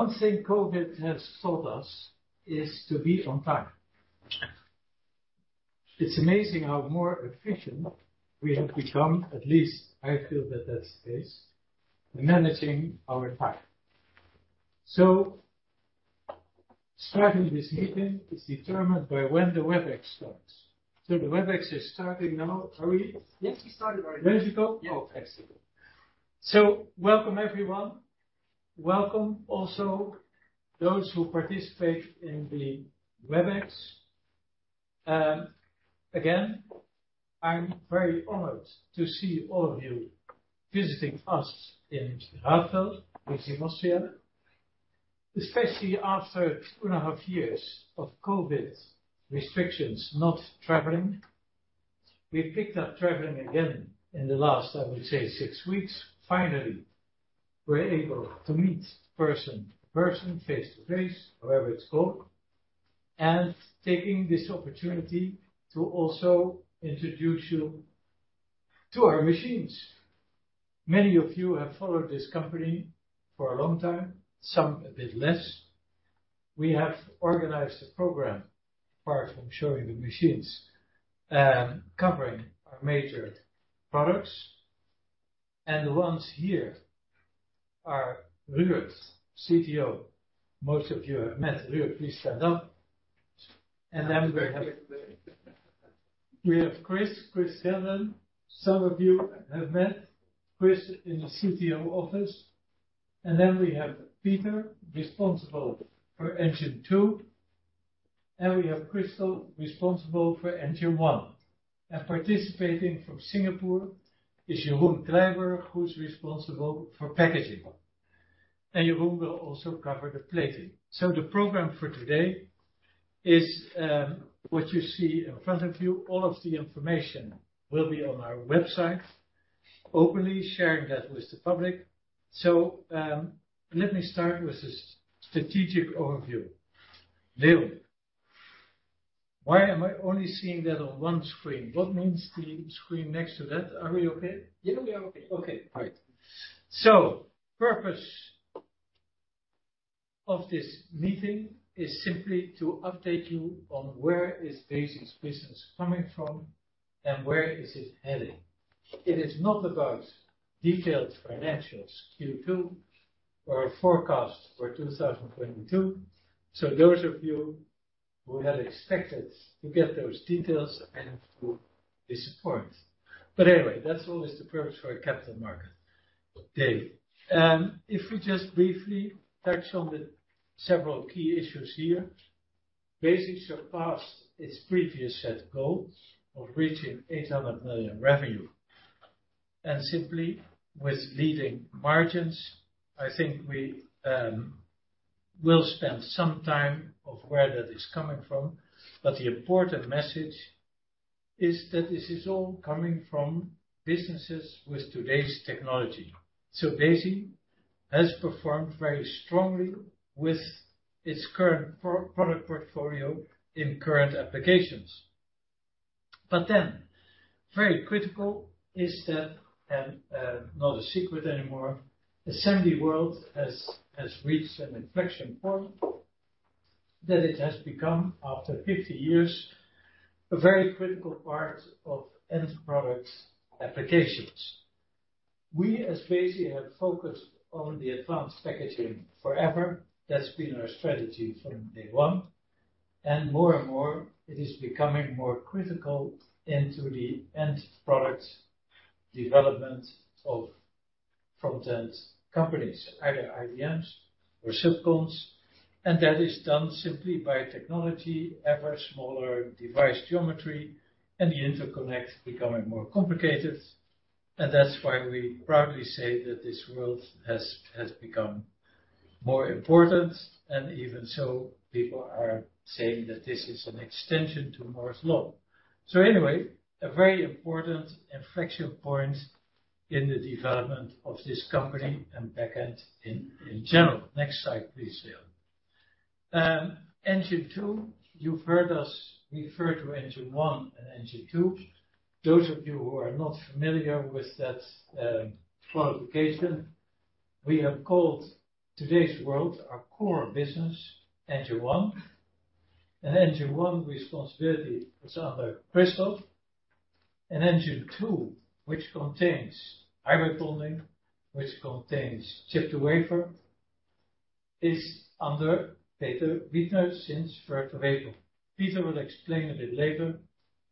Welcome, everyone. Welcome also those who participate in the Webex. Again, I'm very honored to see all of you visiting us in Radfeld, Austria, especially after two and a half years of COVID restrictions, not traveling. We've picked up traveling again in the last, I would say, six weeks. Finally, we're able to meet person to person, face to face, however it's called, and taking this opportunity to also introduce you to our machines. Many of you have followed this company for a long time, some a bit less. We have organized a program, apart from showing the machines, covering our major products. The ones here are Ruurd, CTO. Most of you have met Ruurd. Please stand up. We have Chris Scanlan. Some of you have met Chris in the CTO office. We have Peter, responsible for Engine Two. We have Christoph, responsible for Engine One. Participating from Singapore is Jeroen Kleijburg, who's responsible for packaging. Jeroen will also cover the plating. The program for today is what you see in front of you. All of the information will be on our website, openly sharing that with the public. Let me start with this strategic overview. Leon, why am I only seeing that on one screen? What means the screen next to that? Are we okay? Yeah, we are okay. Okay. All right. Purpose of this meeting is simply to update you on where Besi's business is coming from and where it is heading. It is not about detailed financials, Q2 or a forecast for 2022. Those of you who had expected to get those details, I have to disappoint. Anyway, that's always the purpose for a capital market day. If we just briefly touch on the several key issues here. Besi surpassed its previous set goal of reaching 800 million revenue. Simply with leading margins, I think we will spend some time on where that is coming from. The important message is that this is all coming from businesses with today's technology. Besi has performed very strongly with its current product portfolio in current applications. Very critical is that, not a secret anymore, assembly world has reached an inflection point that it has become, after 50 years, a very critical part of end products applications. We as Besi have focused on the advanced packaging forever. That's been our strategy from day one, and more and more it is becoming more critical into the end product development of front end companies, either IDMs or fabless cons, and that is done simply by technology, ever smaller device geometry and the interconnect becoming more complicated. That's why we proudly say that this world has become more important, and even so, people are saying that this is an extension to Moore's Law. Anyway, a very important inflection point in the development of this company and back-end in general. Next slide, please, Leon. Engine Two, you've heard us refer to Engine One and Engine Two. Those of you who are not familiar with that classification, we have called today's world our core business, Engine One. Engine One responsibility is under Christoph. Engine Two, which contains hybrid bonding, which contains chip-to-wafer, is under Peter Wiedner since first of April. Peter will explain a bit later.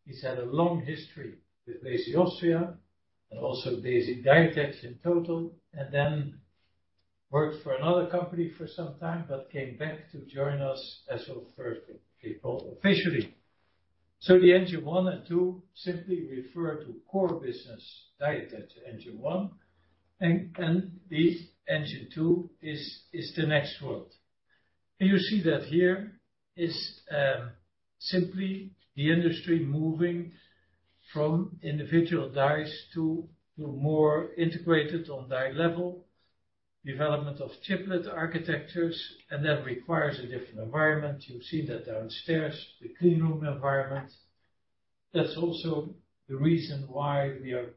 He's had a long history with Besi Austria and also Besi die attach in total, and then worked for another company for some time, but came back to join us as of first of April, officially. The Engine One and Two simply refer to core business, die attach, Engine One, and the Engine Two is the next world. You see that here is simply the industry moving from individual dies to more integrated on die level, development of chiplet architectures, and that requires a different environment. You've seen that downstairs, the clean room environment. That's also the reason why we are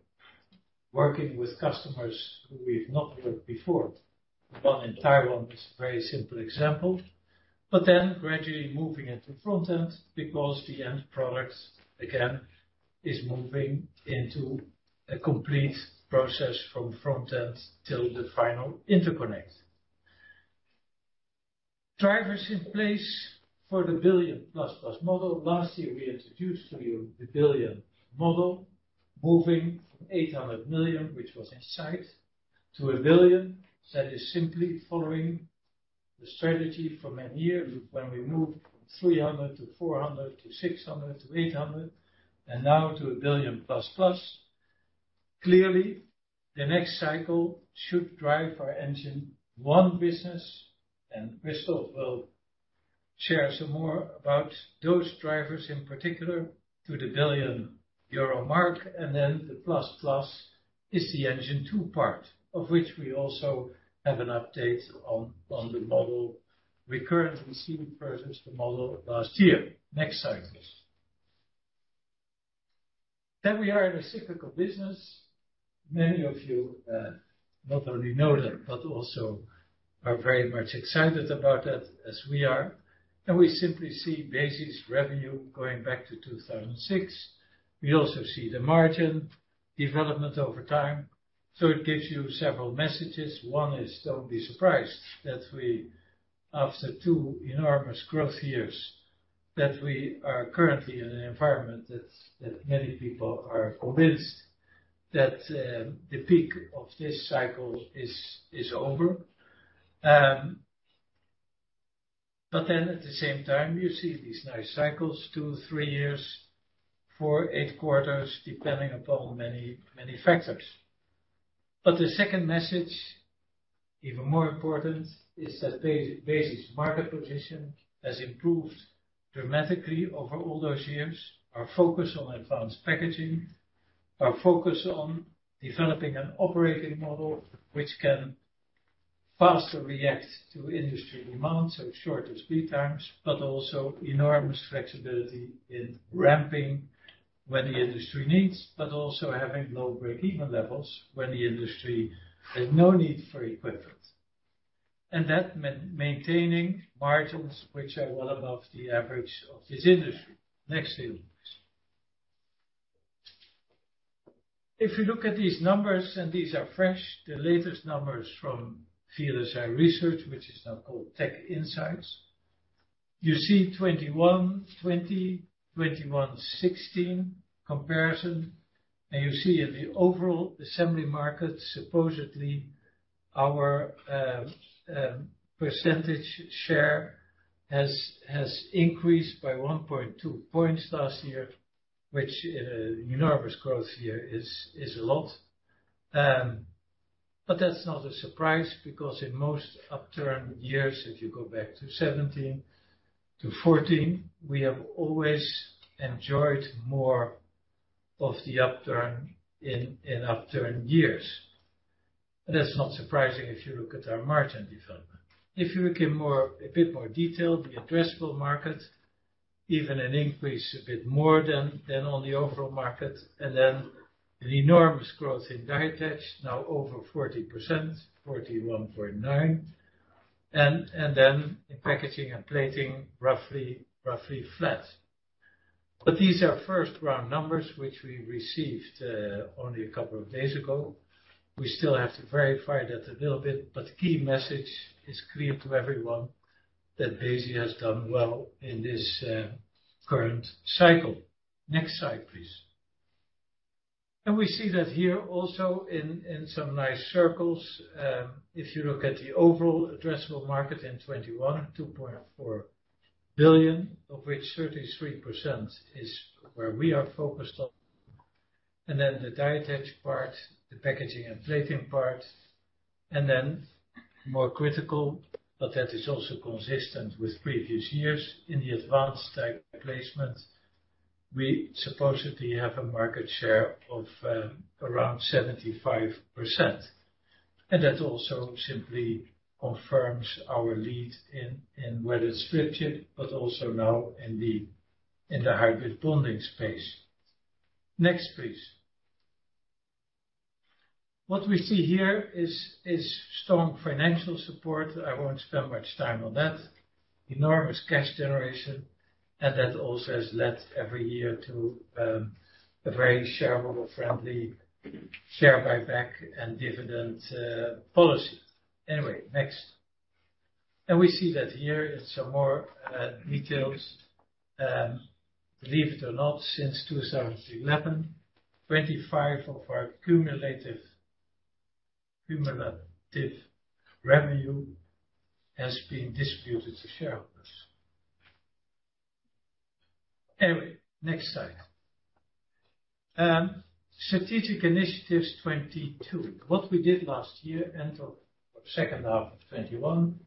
working with customers who we've not worked before. One in Taiwan is a very simple example, but then gradually moving into front-end because the end product, again, is moving into a complete process from front-end till the final interconnect. Drivers in place for the billion++ model. Last year, we introduced to you the billion model, moving from 800 million, which was in sight, to 1 billion. That is simply following the strategy from a year when we moved from 300 to 400 to 600 to 800, and now to 1 billion++. Clearly, the next cycle should drive our Engine One business, and Christoph will share some more about those drivers, in particular, to the 1 billion euro mark, and then the plus plus is the Engine Two part, of which we also have an update on the model. We currently see the progress, the model of last year. Next slide, please. We are in a cyclical business. Many of you, not only know that, but also are very much excited about that as we are. We simply see basis revenue going back to 2006. We also see the margin development over time. It gives you several messages. One is, don't be surprised that after two enormous growth years, that we are currently in an environment that many people are convinced that the peak of this cycle is over. At the same time, you see these nice cycles, two, three years, four, eigth quarters, depending upon many, many factors. The second message, even more important, is that Besi's market position has improved dramatically over all those years. Our focus on advanced packaging, our focus on developing an operating model which can faster react to industry demands, so shorter lead times, but also enormous flexibility in ramping when the industry needs, but also having low break-even levels when the industry has no need for equipment. That maintaining margins which are well above the average of this industry. Next slide, please. If you look at these numbers, and these are fresh, the latest numbers from VLSI Research, which is now called TechInsights. You see 2021, 2020, 2021, 2016 comparison, and you see in the overall assembly market, supposedly our percentage share has increased by 1.2 points last year, which in an enormous growth year is a lot. That's not a surprise because in most upturn years, if you go back to 2017, to 2014, we have always enjoyed more of the upturn in upturn years. That's not surprising if you look at our margin development. If you look in more, a bit more detail, the addressable market, even an increase a bit more than on the overall market, and then an enormous growth in die attach, now over 40%, 41.9%. Then in packaging and plating, roughly flat. These are first-round numbers which we received only a couple of days ago. We still have to verify that a little bit, but the key message is clear to everyone that Asia has done well in this current cycle. Next slide, please. We see that here also in some nice circles. If you look at the overall addressable market in 2021, 2.4 billion, of which 33% is where we are focused on. Then the die attach part, the packaging and plating part, and then more critical, but that is also consistent with previous years. In the advanced die placement, we supposedly have a market share of around 75%. That also simply confirms our lead in whether it's flip chip, but also now in the hybrid bonding space. Next, please. What we see here is strong financial support. I won't spend much time on that. Enormous cash generation that also has led every year to a very shareowner friendly share buyback and dividend policy. Anyway, next. We see that here in some more details. Believe it or not, since 2011, 25% of our cumulative revenue has been distributed to shareholders. Anyway, next slide. Strategic initiatives 2022. What we did last year, end of second half of 2021,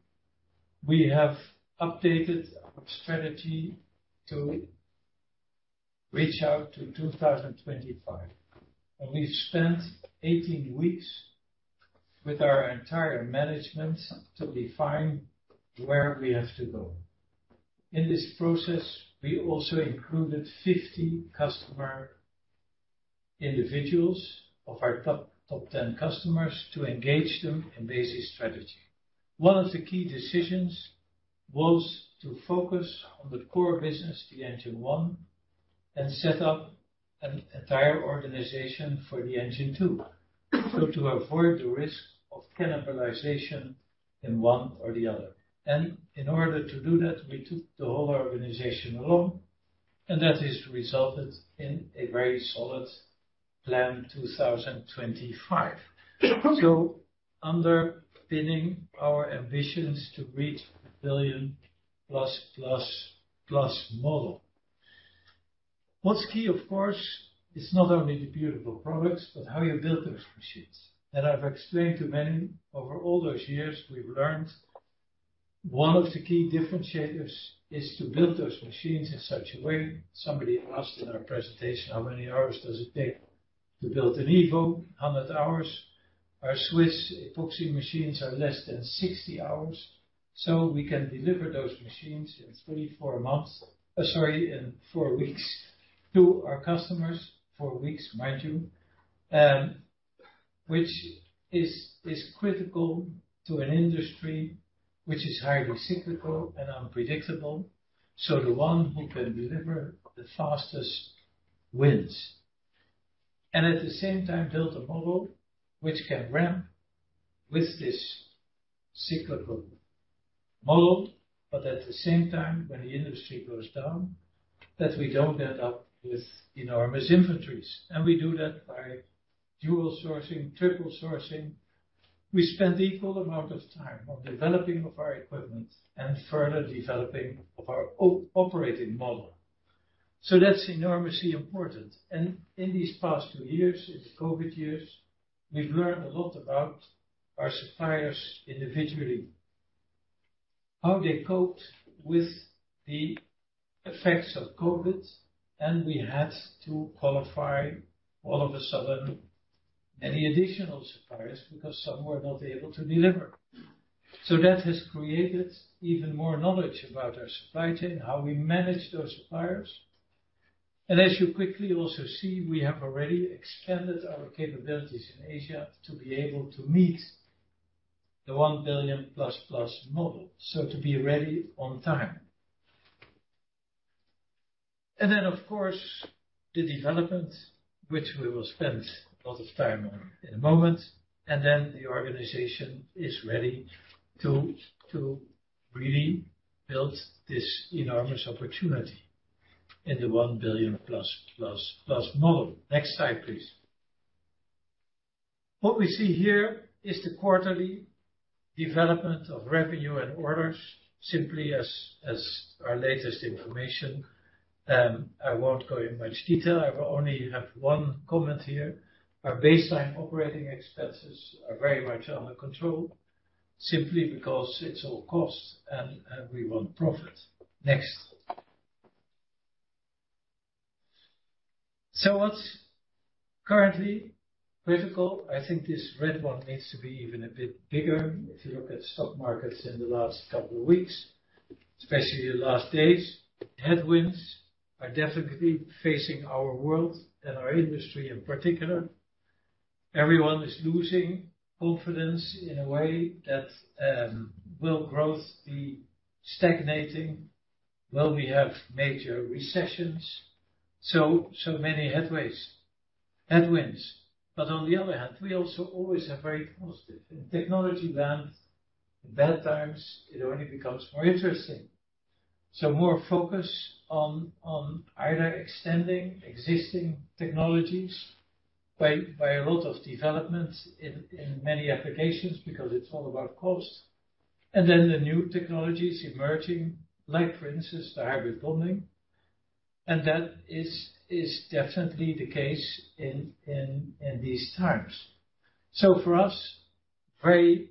we have updated our strategy to reach out to 2025. We spent 18 weeks with our entire management to define where we have to go. In this process, we also included 50 customer individuals of our top ten customers to engage them in basic strategy. One of the key decisions was to focus on the core business, the Engine One, and set up an entire organization for the Engine Two. To avoid the risk of cannibalization in one or the other. In order to do that, we took the whole organization along, and that has resulted in a very solid plan 2025. Underpinning our ambitions to reach a 1 billion plus, plus model. What's key, of course, is not only the beautiful products, but how you build those machines. I've explained to many over all those years we've learned, one of the key differentiators is to build those machines in such a way. Somebody asked in our presentation, "How many hours does it take to build an EVO?" 100 hours. Our Swiss epoxy machines are less than 60 hours. We can deliver those machines in 24 months, sorry, in four weeks to our customers. Four weeks, mind you, which is critical to an industry which is highly cyclical and unpredictable. The one who can deliver the fastest wins. At the same time, build a model which can ramp with this cyclical model, but at the same time, when the industry goes down, that we don't end up with enormous inventories. We do that by dual sourcing, triple sourcing. We spend equal amount of time on developing of our equipment and further developing of our operating model. That's enormously important. In these past two years, in the COVID years, we've learned a lot about our suppliers individually, how they coped with the effects of COVID, and we had to qualify all of a sudden, any additional suppliers, because some were not able to deliver. That has created even more knowledge about our supply chain, how we manage those suppliers. As you quickly also see, we have already expanded our capabilities in Asia to be able to meet the 1 billion plus model. To be ready on time. Then, of course, the development which we will spend a lot of time on in a moment, and then the organization is ready to really build this enormous opportunity in the 1 billion plus, plus model. Next slide, please. What we see here is the quarterly development of revenue and orders, simply as our latest information. I won't go into much detail. I will only have one comment here. Our baseline operating expenses are very much under control, simply because it's all cost and we want profit. Next. What's currently critical, I think this red one needs to be even a bit bigger. If you look at stock markets in the last couple of weeks, especially the last days, headwinds are definitely facing our world and our industry in particular. Everyone is losing confidence in a way that will growth be stagnating? Will we have major recessions? Many headwinds. On the other hand, we also always are very positive. In technology land, in bad times, it only becomes more interesting. More focus on either extending existing technologies by a lot of developments in many applications, because it's all about cost. Then the new technologies emerging, like for instance, the hybrid bonding, and that is definitely the case in these times. For us, very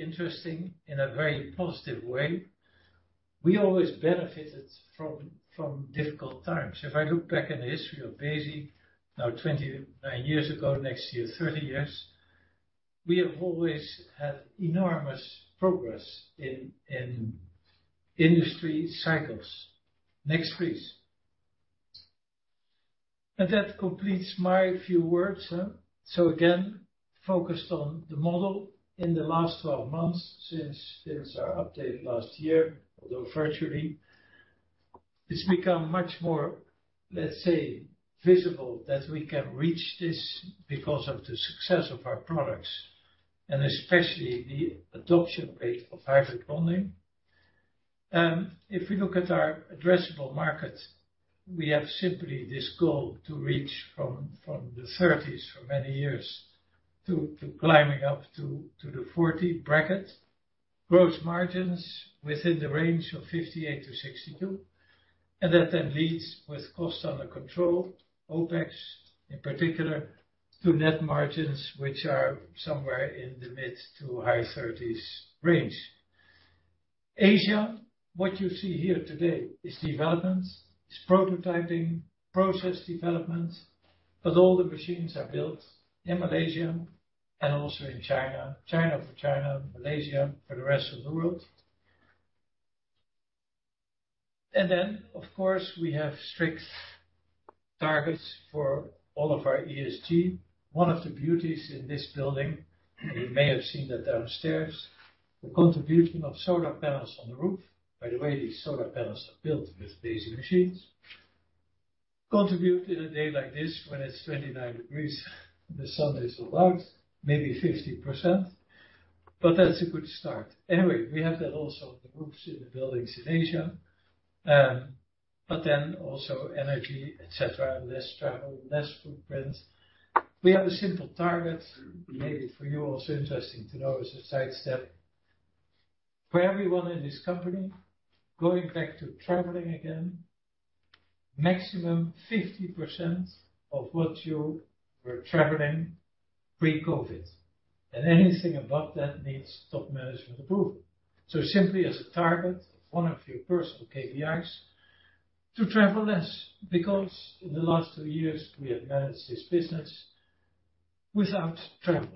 interesting in a very positive way. We always benefited from difficult times. If I look back in the history of Besi, now 29 years ago, next year, 30 years, we have always had enormous progress in industry cycles. Next, please. That completes my few words. Again, focused on the model in the last 12 months since our update last year, although virtually, it's become much more, let's say, visible that we can reach this because of the success of our products, and especially the adoption rate of hybrid bonding. If we look at our addressable market, we have simply this goal to reach from the 30s for many years to climbing up to the 40 bracket. Gross margins within the range of 58%-62%. That leads with cost under control, OpEx in particular, to net margins which are somewhere in the mid- to high-30s range. Asia, what you see here today is development, is prototyping, process development, but all the machines are built in Malaysia and also in China. China for China, Malaysia for the rest of the world. Of course, we have strict targets for all of our ESG. One of the beauties in this building, you may have seen that downstairs, the contribution of solar panels on the roof. By the way, these solar panels are built with Besi machines. Contribute in a day like this when it's 29 degrees, the sun is so out, maybe 50%, but that's a good start. Anyway, we have that also on the roofs, in the buildings in Asia. But also energy, et cetera, less travel, less footprints. We have a simple target, maybe for you also interesting to know as a sidestep. For everyone in this company, going back to traveling again, maximum 50% of what you were traveling pre-COVID. Anything above that needs top management approval. Simply as a target, one of your personal KPIs, to travel less, because in the last two years, we have managed this business without travel.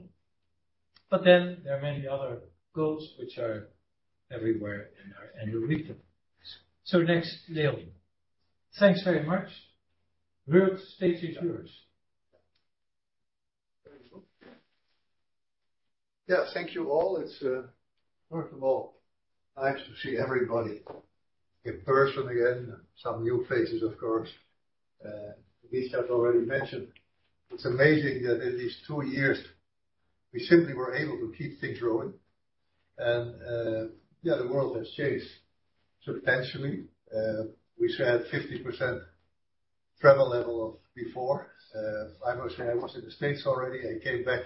There are many other goals which are everywhere in our annual report. Next, Leon. Thanks very much. Ruurd, stage is yours. There you go. Yeah. Thank you all. It's. First of all, nice to see everybody in person again. Some new faces, of course. Richard already mentioned, it's amazing that in these two years we simply were able to keep things rolling. The world has changed substantially. We said 50% travel level of before. I must say, I was in the States already. I came back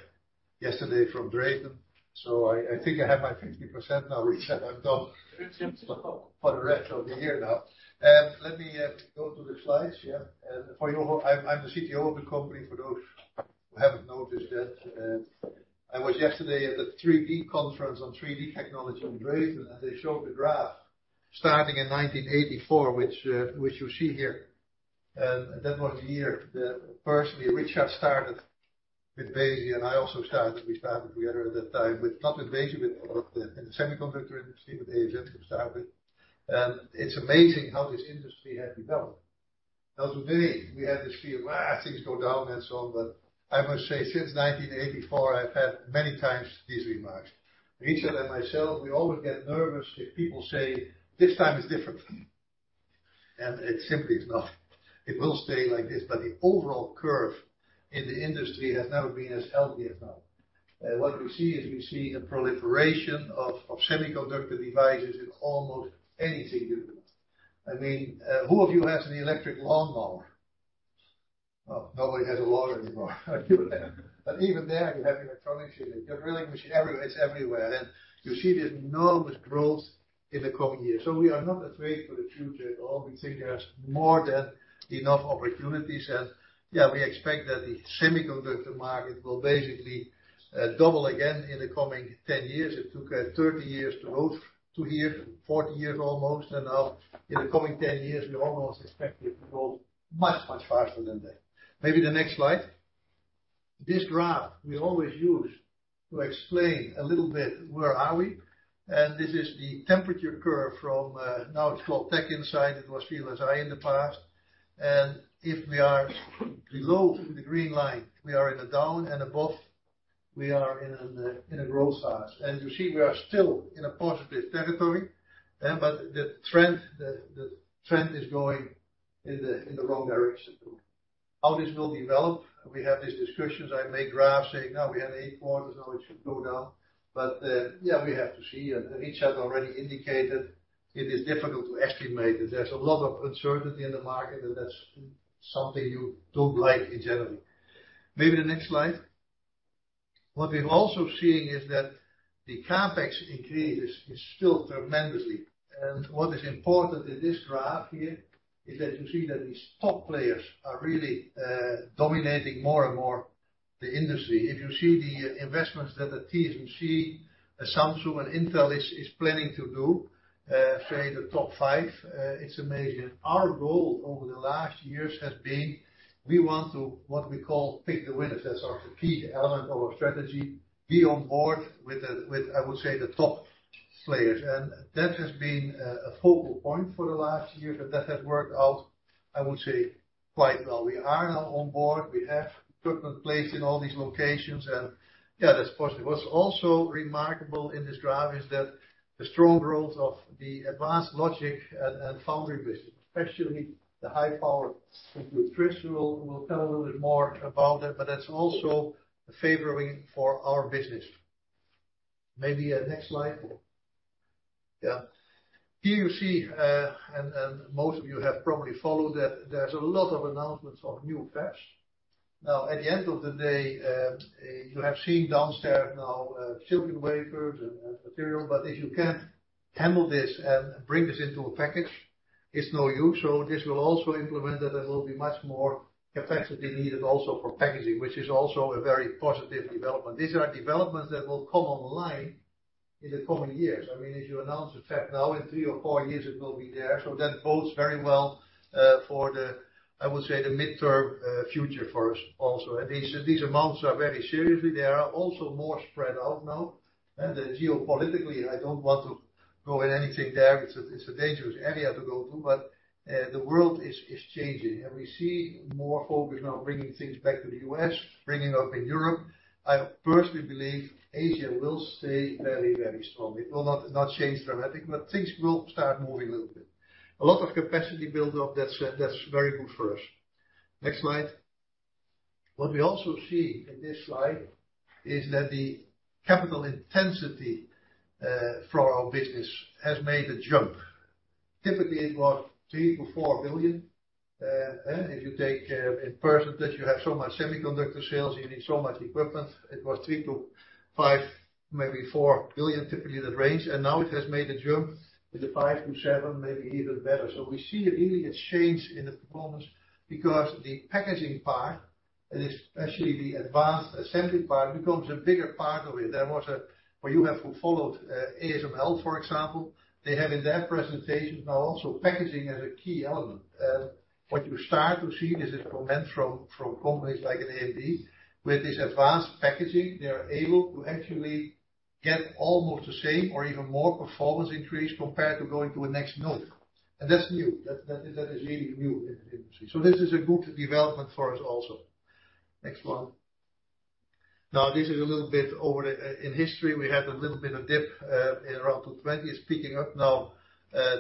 yesterday from Dresden, so I think I have my 50% now, Richard. I'm done for the rest of the year now. Let me go to the slides. Yeah. I'm the CTO of the company, for those who haven't noticed yet. I was yesterday at the 3D conference on 3D technology in Dresden, and they showed the graph starting in 1984, which you see here. That was the year that personally Richard started with Besi, and I also started. We started together at that time, but not with Besi, with a lot of the in the semiconductor industry that ASML have started. It's amazing how this industry has developed. Now today we have this fear of things go down and so on, but I must say since 1984 I've had many times these remarks. Richard and myself, we always get nervous if people say, "This time it's different." It simply is not. It will stay like this. The overall curve in the industry has never been as healthy as now. What we see is a proliferation of semiconductor devices in almost anything you do. I mean, who of you has an electric lawnmower? Oh, nobody has a lawn anymore. Even there, you have electronics in it. Your drilling machine everywhere. It's everywhere. You see this enormous growth in the coming years. We are not afraid for the future at all. We think there's more than enough opportunities. Yeah, we expect that the semiconductor market will basically double again in the coming 10 years. It took 30 years to go to here, 40 years almost, and now in the coming 10 years, we almost expect it to grow much, much faster than that. Maybe the next slide. This graph we always use to explain a little bit, where are we? This is the temperature curve from, now it's called TechInsights. It was VLSI in the past. If we are below the green line, we are in a down, and above we are in a growth phase. You see we are still in a positive territory. The trend is going in the wrong direction. How this will develop, we have these discussions. I've made graphs saying, "Now we have 8 quarters, now it should go down." Yeah, we have to see, and Richard already indicated it is difficult to estimate it. There's a lot of uncertainty in the market, and that's something you don't like in general. Maybe the next slide. What we're also seeing is that the CapEx increase is still tremendously. What is important in this graph here is that you see that these top players are really dominating more and more the industry. If you see the investments that the TSMC, Samsung and Intel is planning to do, say the top five, it's amazing. Our goal over the last years has been we want to, what we call, pick the winners. That's our key element of our strategy, be on board with the, I would say, the top players. That has been a focal point for the last years, and that has worked out, I would say, quite well. We are now on board. We have equipment placed in all these locations and, yeah, that's possible. What's also remarkable in this graph is that the strong growth of the advanced logic and foundry business, especially the high power. Chris will tell a little bit more about it, but that's also favoring for our business. Maybe next slide. Yeah. Here you see and most of you have probably followed that there's a lot of announcements of new fabs. Now, at the end of the day, you have seen downstairs now silicon wafers and material, but if you can't handle this and bring this into a package. It's no use. This will also imply that there will be much more capacity needed also for packaging, which is also a very positive development. These are developments that will come online in the coming years. I mean, if you announce a fab now, in three or four years it will be there. That bodes very well for the, I would say, the midterm future for us also. These amounts are very serious. There are also more spread out now. Geopolitically, I don't want to go in anything there. It's a dangerous area to go to, but the world is changing, and we see more focus now bringing things back to the US, bringing up in Europe. I personally believe Asia will stay very strong. It will not change dramatically, but things will start moving a little bit. A lot of capacity build up, that's very good for us. Next slide. What we also see in this slide is that the capital intensity for our business has made a jump. Typically, it was $3 billion to $4 billion. If you take in percentage, you have so much semiconductor sales, you need so much equipment. It was 3%-5%, maybe 4%, typically that range. Now it has made the jump to the five-seven, maybe even better. We see really a change in the performance because the packaging part, and especially the advanced assembly part, becomes a bigger part of it. For those of you who have followed ASML, for example, they have in their presentations now also packaging as a key element. What you start to see is this momentum from companies like AMD. With this advanced packaging, they are able to actually get almost the same or even more performance increase compared to going to a next node. That's new. That is really new in the industry. This is a good development for us also. Next one. Now, this is a little bit over. In history, we had a little bit of dip in around 2020. It's picking up now,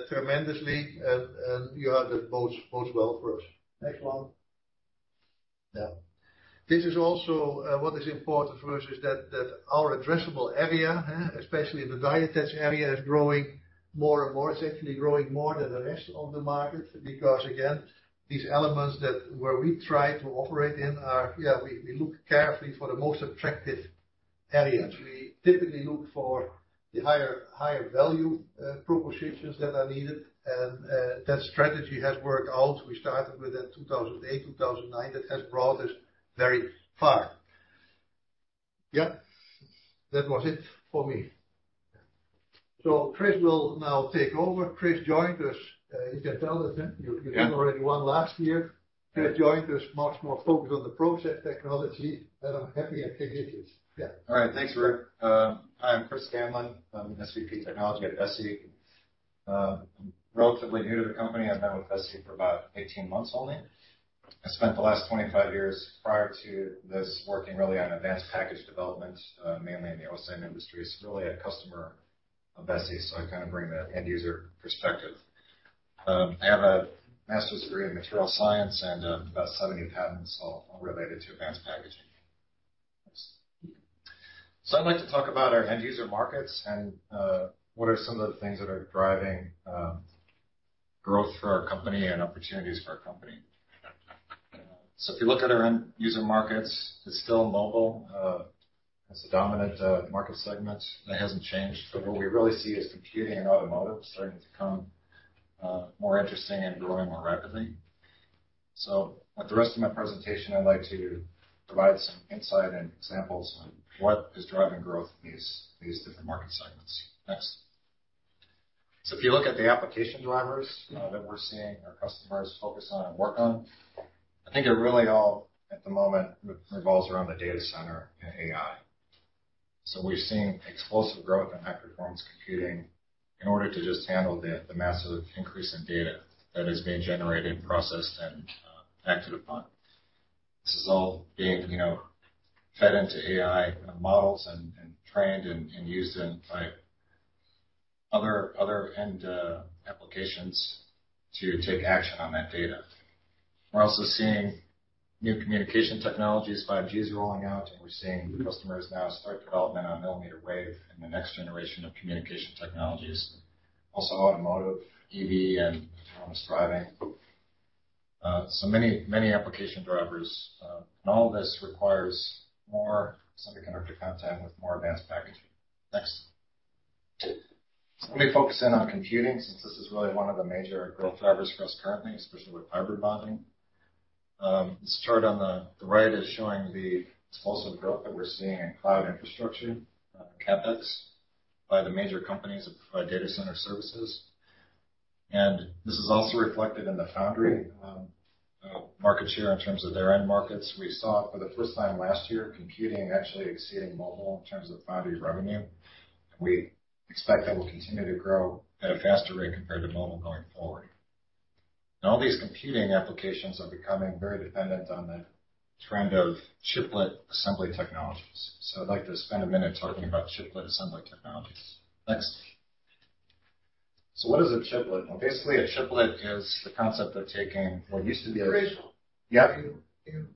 tremendously, and that bodes well for us. Next one. Yeah. This is also what is important for us is that our addressable area, especially in the die attach area, is growing more and more. It's actually growing more than the rest of the market because, again, these elements that we try to operate in are. We look carefully for the most attractive areas. We typically look for the higher value propositions that are needed. That strategy has worked out. We started with that 2008, 2009. That has brought us very far. Yeah. That was it for me. Chris will now take over. Chris joined us. You can tell us then. Yeah. You had already one last year. Yeah. Chris joined us, much more focused on the process technology, and I'm happy I paid it. Yeah. All right. Thanks, Ruurd. Hi, I'm Chris Scanlan. I'm an SVP Technology at Besi. I'm relatively new to the company. I've been with Besi for about 18 months only. I spent the last 25 years prior to this working really on advanced package development, mainly in the OSAT industry. It's really a customer of Besi, so I kind of bring the end user perspective. I have a master's degree in material science and about 70 patents all related to advanced packaging. I'd like to talk about our end user markets and what are some of the things that are driving growth for our company and opportunities for our company. If you look at our end user markets, it's still mobile as the dominant market segment, and it hasn't changed. What we really see is computing and automotive starting to become more interesting and growing more rapidly. With the rest of my presentation, I'd like to provide some insight and examples on what is driving growth in these different market segments. Next. If you look at the application drivers that we're seeing our customers focus on and work on, I think it really all at the moment revolves around the data center and AI. We're seeing explosive growth in high-performance computing in order to just handle the massive increase in data that is being generated, processed, and acted upon. This is all being, you know, fed into AI models and trained and used in by other end applications to take action on that data. We're also seeing new communication technologies. 5G is rolling out, and we're seeing customers now start development on millimeter wave and the next generation of communication technologies. Also automotive, EV, and autonomous driving. So many application drivers, and all this requires more semiconductor content with more advanced packaging. Next. Let me focus in on computing since this is really one of the major growth drivers for us currently, especially with hybrid bonding. This chart on the right is showing the explosive growth that we're seeing in cloud infrastructure, CapEx by the major companies that provide data center services. This is also reflected in the foundry market share in terms of their end markets. We saw for the first time last year, computing actually exceeding mobile in terms of foundry revenue. We expect that will continue to grow at a faster rate compared to mobile going forward. Now, these computing applications are becoming very dependent on the trend of chiplet assembly technologies. I'd like to spend a minute talking about chiplet assembly technologies. Next. What is a chiplet? Well, basically, a chiplet is the concept of taking what used to be a- Chris. Yeah. Can you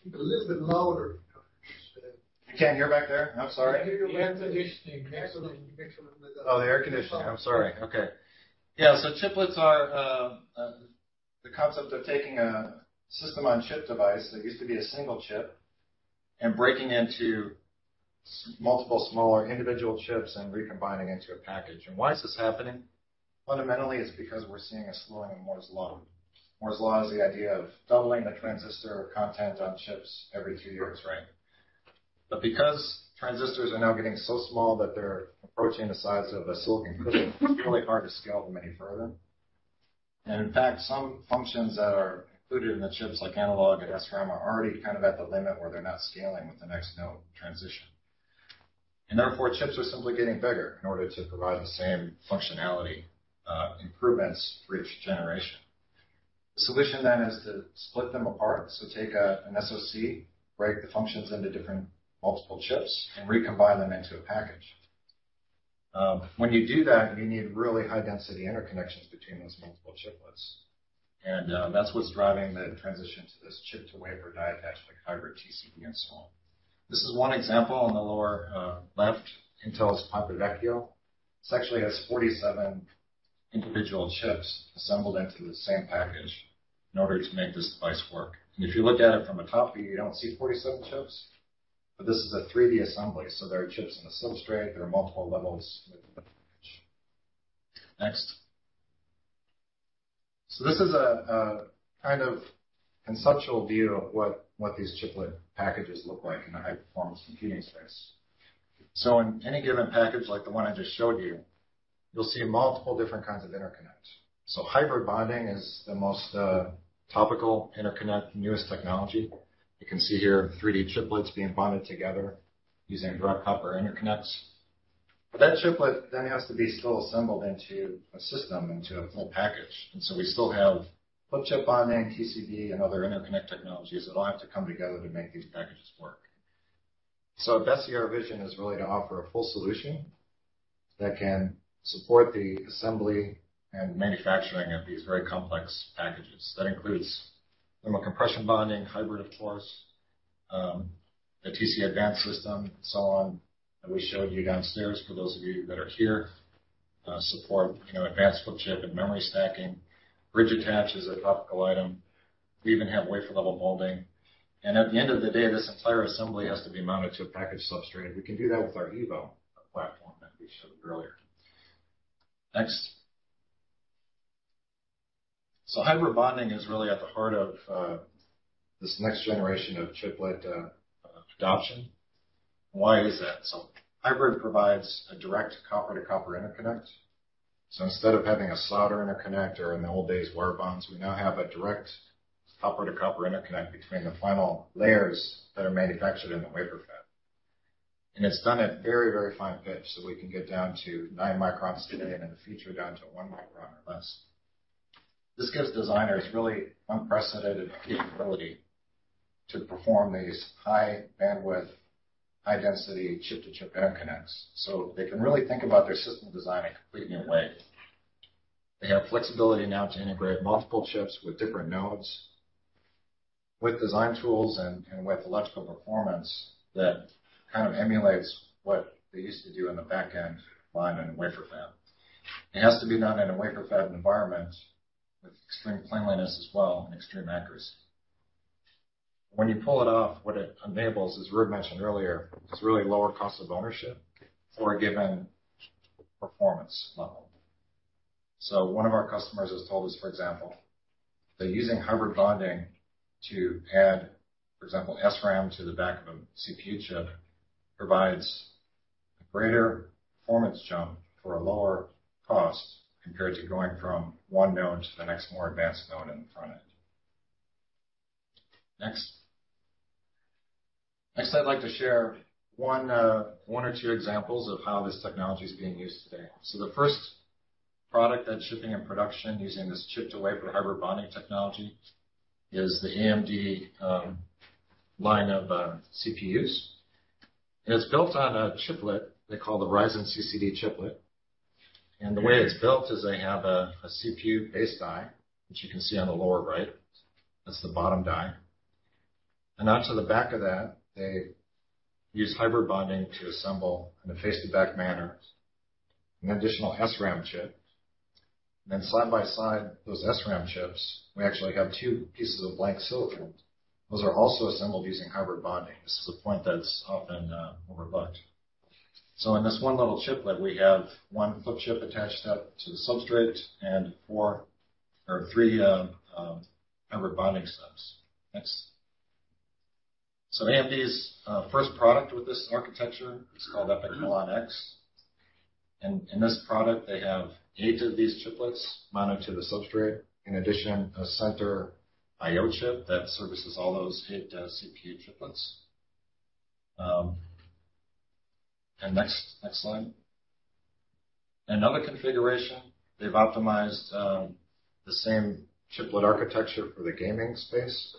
speak a little bit louder? You can't hear back there? I'm sorry. I can hear air conditioning. Oh, the air conditioning. I'm sorry. Okay. Yeah. Chiplets are the concept of taking a system-on-chip device that used to be a single chip and breaking into multiple smaller individual chips and recombining into a package. Why is this happening? Fundamentally, it's because we're seeing a slowing of Moore's Law. Moore's Law is the idea of doubling the transistor content on chips every two years. Right. Because transistors are now getting so small that they're approaching the size of a silicon crystal, it's really hard to scale them any further. In fact, some functions that are included in the chips, like analog and SRAM, are already kind of at the limit where they're not scaling with the next node transition. Therefore, chips are simply getting bigger in order to provide the same functionality, improvements for each generation. The solution then is to split them apart. Take an SoC, break the functions into different multiple chips, and recombine them into a package. When you do that, you need really high-density interconnections between those multiple chiplets. That's what's driving the transition to this chip-to-wafer die-attach, like hybrid TCB and so on. This is one example in the lower left, Intel's Ponte Vecchio. This actually has 47 individual chips assembled into the same package in order to make this device work. If you look at it from the top view, you don't see 47 chips, but this is a 3D assembly. There are chips in the substrate. There are multiple levels within the package. Next. This is a kind of conceptual view of what these chiplet packages look like in a high-performance computing space. In any given package like the one I just showed you'll see multiple different kinds of interconnects. Hybrid bonding is the most topical interconnect, newest technology. You can see here 3D chiplets being bonded together using direct copper interconnects. That chiplet then has to be still assembled into a system, into a full package. We still have flip chip bonding, TCB, and other interconnect technologies that all have to come together to make these packages work. At Besi, our vision is really to offer a full solution that can support the assembly and manufacturing of these very complex packages. That includes thermal compression bonding, hybrid of course, the TC Advanced system, and so on, that we showed you downstairs, for those of you that are here. Support, you know, advanced flip chip and memory stacking. Bridge attach is a topical item. We even have wafer level molding. At the end of the day, this entire assembly has to be mounted to a package substrate. We can do that with our Evo platform that we showed earlier. Next. Hybrid bonding is really at the heart of this next generation of chiplet adoption. Why is that? Hybrid provides a direct copper-to-copper interconnect. Instead of having a solder interconnect or in the old days, wire bonds, we now have a direct copper-to-copper interconnect between the final layers that are manufactured in the wafer fab. It's done at very, very fine pitch, so we can get down to 9 microns today, and in the future, down to 1 micron or less. This gives designers really unprecedented capability to perform these high bandwidth, high-density chip-to-chip interconnects. They can really think about their system design in a completely new way. They have flexibility now to integrate multiple chips with different nodes, with design tools and with electrical performance that kind of emulates what they used to do in the back-end line in a wafer fab. It has to be done in a wafer fab environment with extreme cleanliness as well and extreme accuracy. When you pull it off, what it enables, as Ruurd mentioned earlier, is really lower cost of ownership for a given performance level. One of our customers has told us, for example, that using hybrid bonding to add, for example, SRAM to the back of a CPU chip provides a greater performance jump for a lower cost compared to going from one node to the next more advanced node in the front end. Next. Next, I'd like to share one or two examples of how this technology is being used today. The first product that's shipping in production using this chip-to-wafer hybrid bonding technology is the AMD line of CPUs. It's built on a chiplet they call the Ryzen CCD chiplet. The way it's built is they have a CPU-based die, which you can see on the lower right. That's the bottom die. Onto the back of that, they use hybrid bonding to assemble in a face-to-back manner, an additional SRAM chip. Side by side those SRAM chips, we actually have two pieces of blank silicon. Those are also assembled using hybrid bonding. This is a point that's often overlooked. In this one little chiplet, we have one flip chip attached up to the substrate and four... or three hybrid bonding subs. Next. AMD's first product with this architecture is called EPYC Milan-X. In this product, they have eight of these chiplets mounted to the substrate. In addition, a center I/O chip that services all those eight CPU chiplets. Next slide. Another configuration, they've optimized the same chiplet architecture for the gaming space.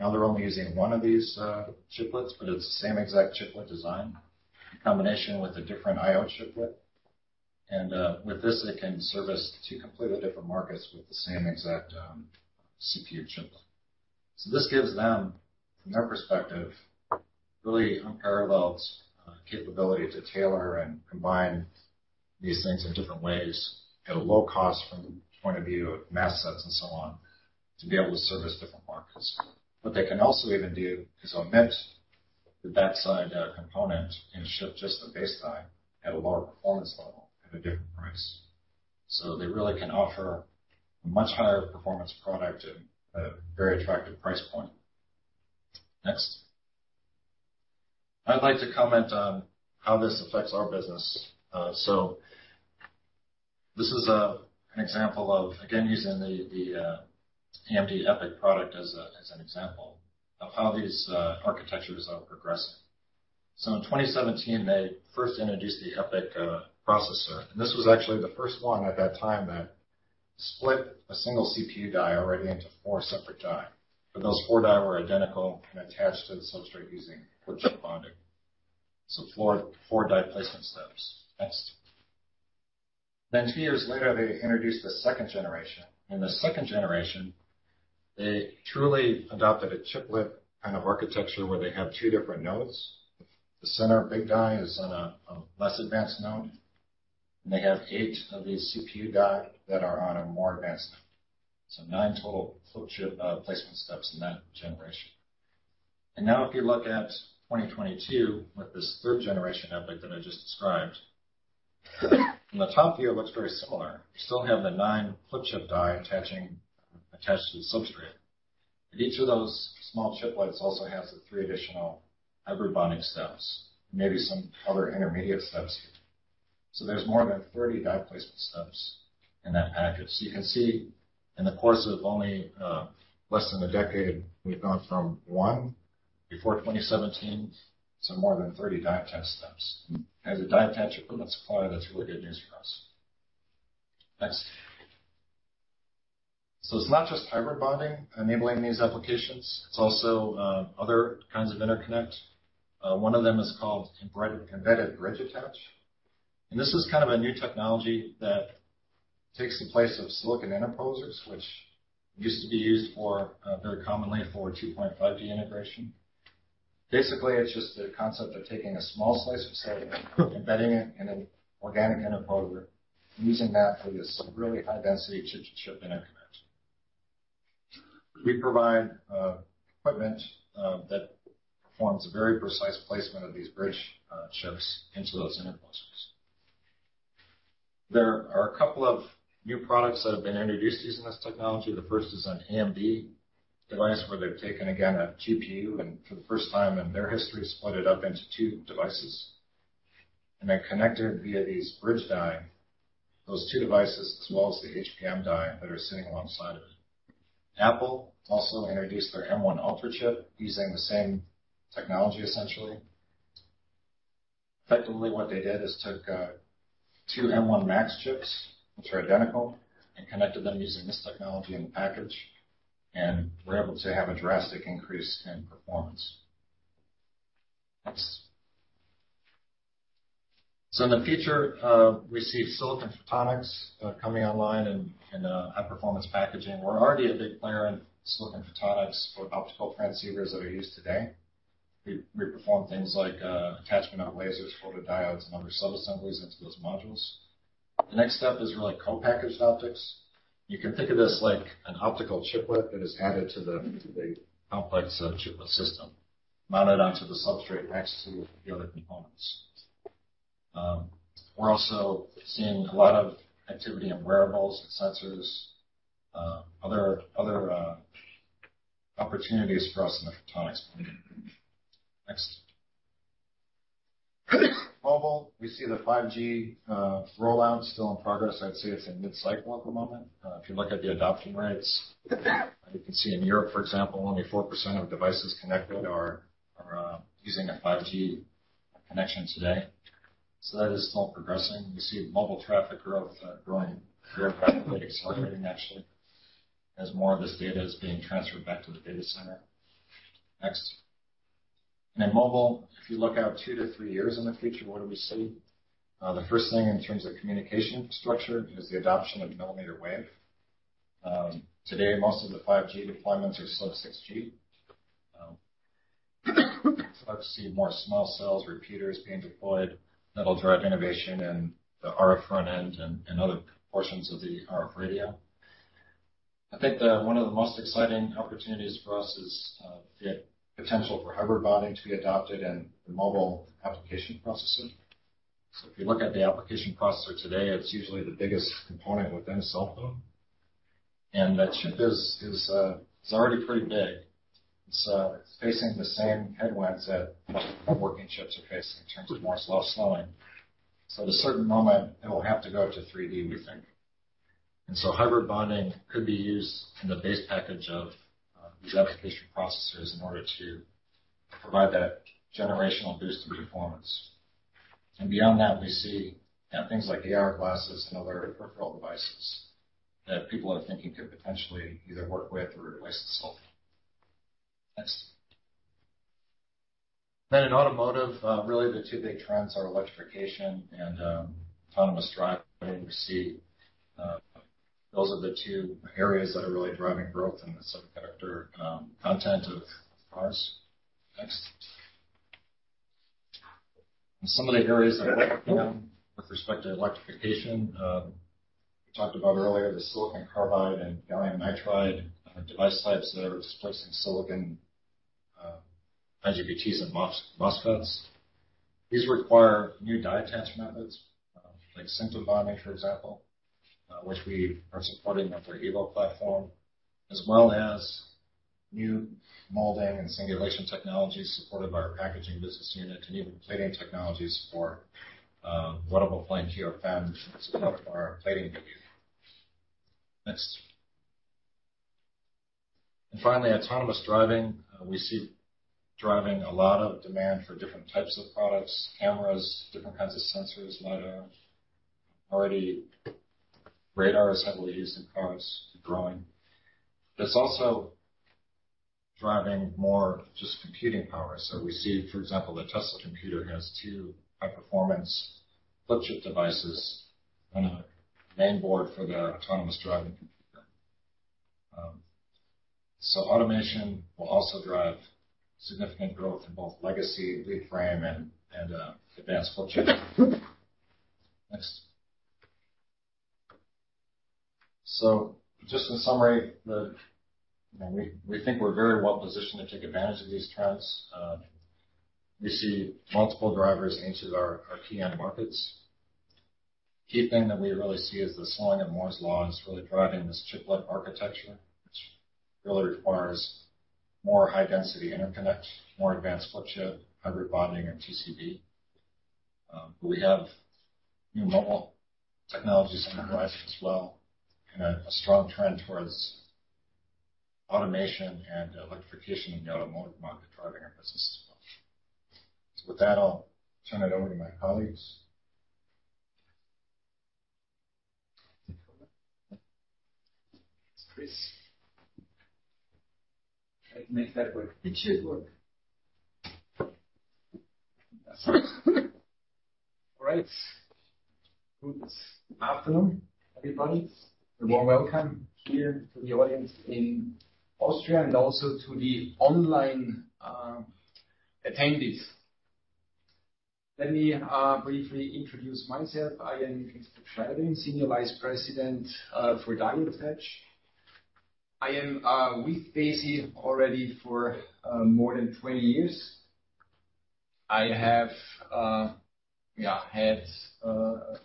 Now they're only using one of these chiplets, but it's the same exact chiplet design in combination with a different I/O chiplet. With this, they can service two completely different markets with the same exact CPU chiplet. This gives them, from their perspective, really unparalleled capability to tailor and combine these things in different ways at a low cost from the point of view of mask sets and so on, to be able to service different markets. What they can also even do is omit the backside component and ship just the base die at a lower performance level at a different price. They really can offer a much higher performance product at a very attractive price point. Next. I'd like to comment on how this affects our business. This is an example of, again, using the AMD EPYC product as an example of how these architectures are progressing. In 2017, they first introduced the EPYC processor, and this was actually the first one at that time that split a single CPU die already into 4 separate die. Those 4 die were identical and attached to the substrate using flip chip bonding. Four die placement steps. Next. 2 years later, they introduced the second generation. In the second generation, they truly adopted a chiplet kind of architecture where they have two different nodes. The center big die is on a less advanced node, and they have eight of these CPU die that are on a more advanced node. Nine total flip chip placement steps in that generation. Now if you look at 2022 with this third generation EPYC that I just described, from the top view, it looks very similar. You still have the nine flip chip die attached to the substrate, but each of those small chiplets also has the three additional hybrid bonding steps, maybe some other intermediate steps. There's more than 30 die placement steps in that package. You can see in the course of only less than a decade, we've gone from one before 2017 to more than 30 die attach steps. As a die attach equipment supplier, that's really good news for us. Next. It's not just hybrid bonding enabling these applications, it's also other kinds of interconnect. One of them is called embedded bridge attach. This is kind of a new technology that takes the place of silicon interposers, which used to be used for very commonly for 2.5D integration. Basically, it's just the concept of taking a small slice of silicon, embedding it in an organic interposer, and using that for this really high-density chip-to-chip interconnect. We provide equipment that performs a very precise placement of these bridge chips into those interposers. There are a couple of new products that have been introduced using this technology. The first is an AMD device where they've taken, again, a GPU, and for the first time in their history, split it up into two devices. They're connected via these bridge die, those two devices, as well as the HBM die that are sitting alongside it. Apple also introduced their M1 Ultra chip using the same technology, essentially. Effectively, what they did is took two M1 Max chips, which are identical, and connected them using this technology in the package, and were able to have a drastic increase in performance. Next. In the future, we see silicon photonics coming online in high-performance packaging. We're already a big player in silicon photonics for optical transceivers that are used today. We perform things like attachment of lasers, photodiodes, and other subassemblies into those modules. The next step is really co-packaged optics. You can think of this like an optical chiplet that is added to the complex chiplet system, mounted onto the substrate next to the other components. We're also seeing a lot of activity in wearables and sensors, other opportunities for us in the photonics community. Next. Mobile, we see the 5G rollout still in progress. I'd say it's in mid-cycle at the moment. If you look at the adoption rates, you can see in Europe, for example, only 4% of devices connected are using a 5G connection today. That is still progressing. We see mobile traffic growth, growing rapidly, accelerating actually, as more of this data is being transferred back to the data center. Next. In mobile, if you look out 2-3 years in the future, what do we see? The first thing in terms of communication infrastructure is the adoption of millimeter wave. Today, most of the 5G deployments are still sub-6 GHz. So I'd see more small cells, repeaters being deployed. That'll drive innovation in the RF front end and other portions of the RF radio. I think one of the most exciting opportunities for us is the potential for hybrid bonding to be adopted in the mobile application processor. If you look at the application processor today, it's usually the biggest component within a cell phone. That chip is already pretty big. It's facing the same headwinds that working chips are facing in terms of Moore's Law slowing. At a certain moment, it'll have to go to 3D, we think. Hybrid bonding could be used in the base package of these application processors in order to provide that generational boost in performance. Beyond that, we see things like AR glasses and other peripheral devices that people are thinking could potentially either work with or replace the cell phone. Next. In automotive, really the two big trends are electrification and autonomous driving. Those are the two areas that are really driving growth in the semiconductor content of cars. Next. Some of the areas that we're working on with respect to electrification, we talked about earlier, the silicon carbide and gallium nitride device types that are displacing silicon IGBTs and MOSFETs. These require new die attachment methods like sinter bonding, for example, which we are supporting with our EVO platform, as well as new molding and singulation technologies supported by our packaging business unit, and even plating technologies for vertical power GaN devices to support our plating revenue. Next. Finally, autonomous driving. We see driving a lot of demand for different types of products, cameras, different kinds of sensors, LiDAR. Already, radar is heavily used in cars, growing. It's also driving more just computing power. So we see, for example, the Tesla computer has two high-performance flip chip devices on a main board for their autonomous driving computer. Automation will also drive significant growth in both legacy leadframe and advanced flip chip. Next. Just in summary, we think we're very well positioned to take advantage of these trends. We see multiple drivers in each of our key end markets. Key thing that we really see is the slowing of Moore's Law is really driving this chiplet architecture, which really requires more high-density interconnect, more advanced flip chip, hybrid bonding and TCB. We have new mobile technologies on the horizon as well, and a strong trend towards automation and electrification in the automotive market, driving our business as well. With that, I'll turn it over to my colleagues. Thanks, Chris. Let's make that work. It should work. All right. Good afternoon, everybody, and warm welcome here to the audience in Austria and also to the online attendees. Let me briefly introduce myself. I am Christoph Scheiring, Senior Vice President for Die Attach. I am with Besi already for more than 20 years. I have had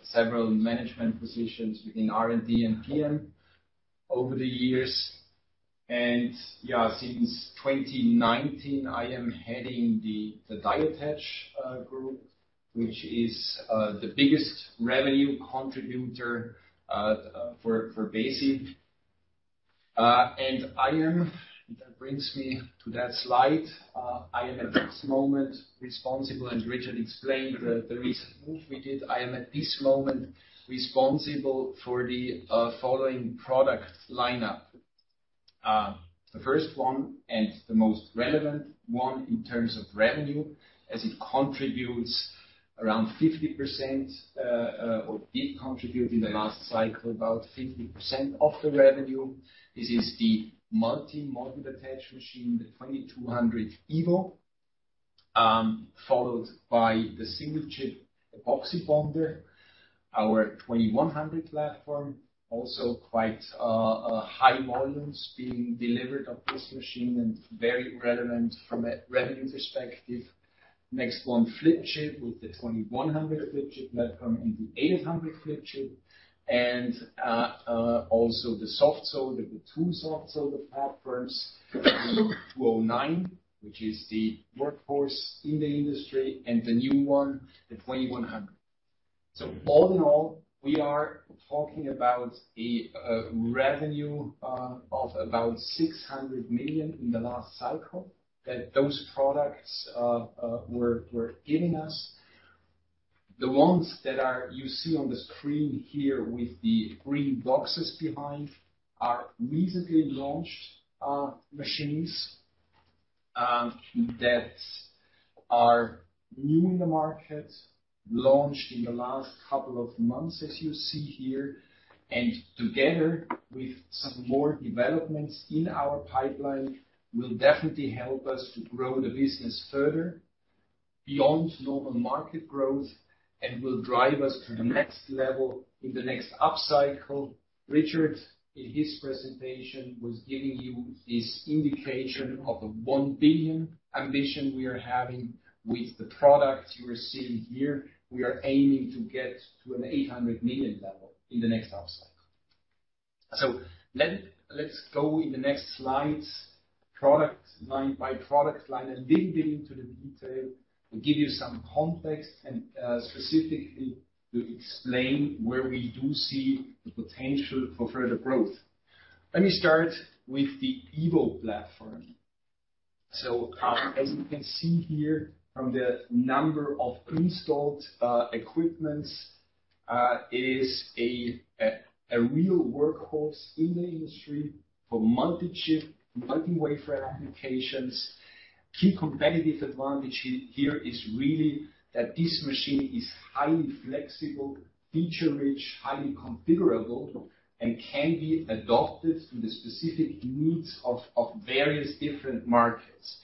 several management positions within R&D and PM over the years. Since 2019, I am heading the Die Attach Group, which is the biggest revenue contributor for Besi. That brings me to that slide. I am at this moment responsible, as Richard explained, the recent move we did. I am at this moment responsible for the following product lineup. The first one and the most relevant one in terms of revenue, as it contributes around 50%, or did contribute in the last cycle, about 50% of the revenue. This is the Multi Module Attach machine, the 2200 evo, followed by the single chip epoxy bonder. Our 2100 platform, also quite high volumes being delivered of this machine and very relevant from a revenue perspective. Next one, flip chip, with the 2100 flip chip platform and the 800 flip chip, and also the soft solder platforms, the 2009, which is the workhorse in the industry, and the new one, the 2100. All in all, we are talking about a revenue of about 600 million in the last cycle that those products were giving us. The ones that you see on the screen here with the green boxes behind are recently launched machines that are new in the market, launched in the last couple of months, as you see here. Together with some more developments in our pipeline, will definitely help us to grow the business further beyond normal market growth and will drive us to the next level in the next upcycle. Richard, in his presentation, was giving you this indication of the 1 billion ambition we are having. With the products you are seeing here, we are aiming to get to an 800 million level in the next upcycle. Let's go in the next slides, product line by product line, a little bit into the detail to give you some context and specifically to explain where we do see the potential for further growth. Let me start with the EVO platform. As you can see here from the number of installed equipment, it is a real workhorse in the industry for multi-chip, multi-wafer applications. Key competitive advantage here is really that this machine is highly flexible, feature-rich, highly configurable, and can be adopted to the specific needs of various different markets.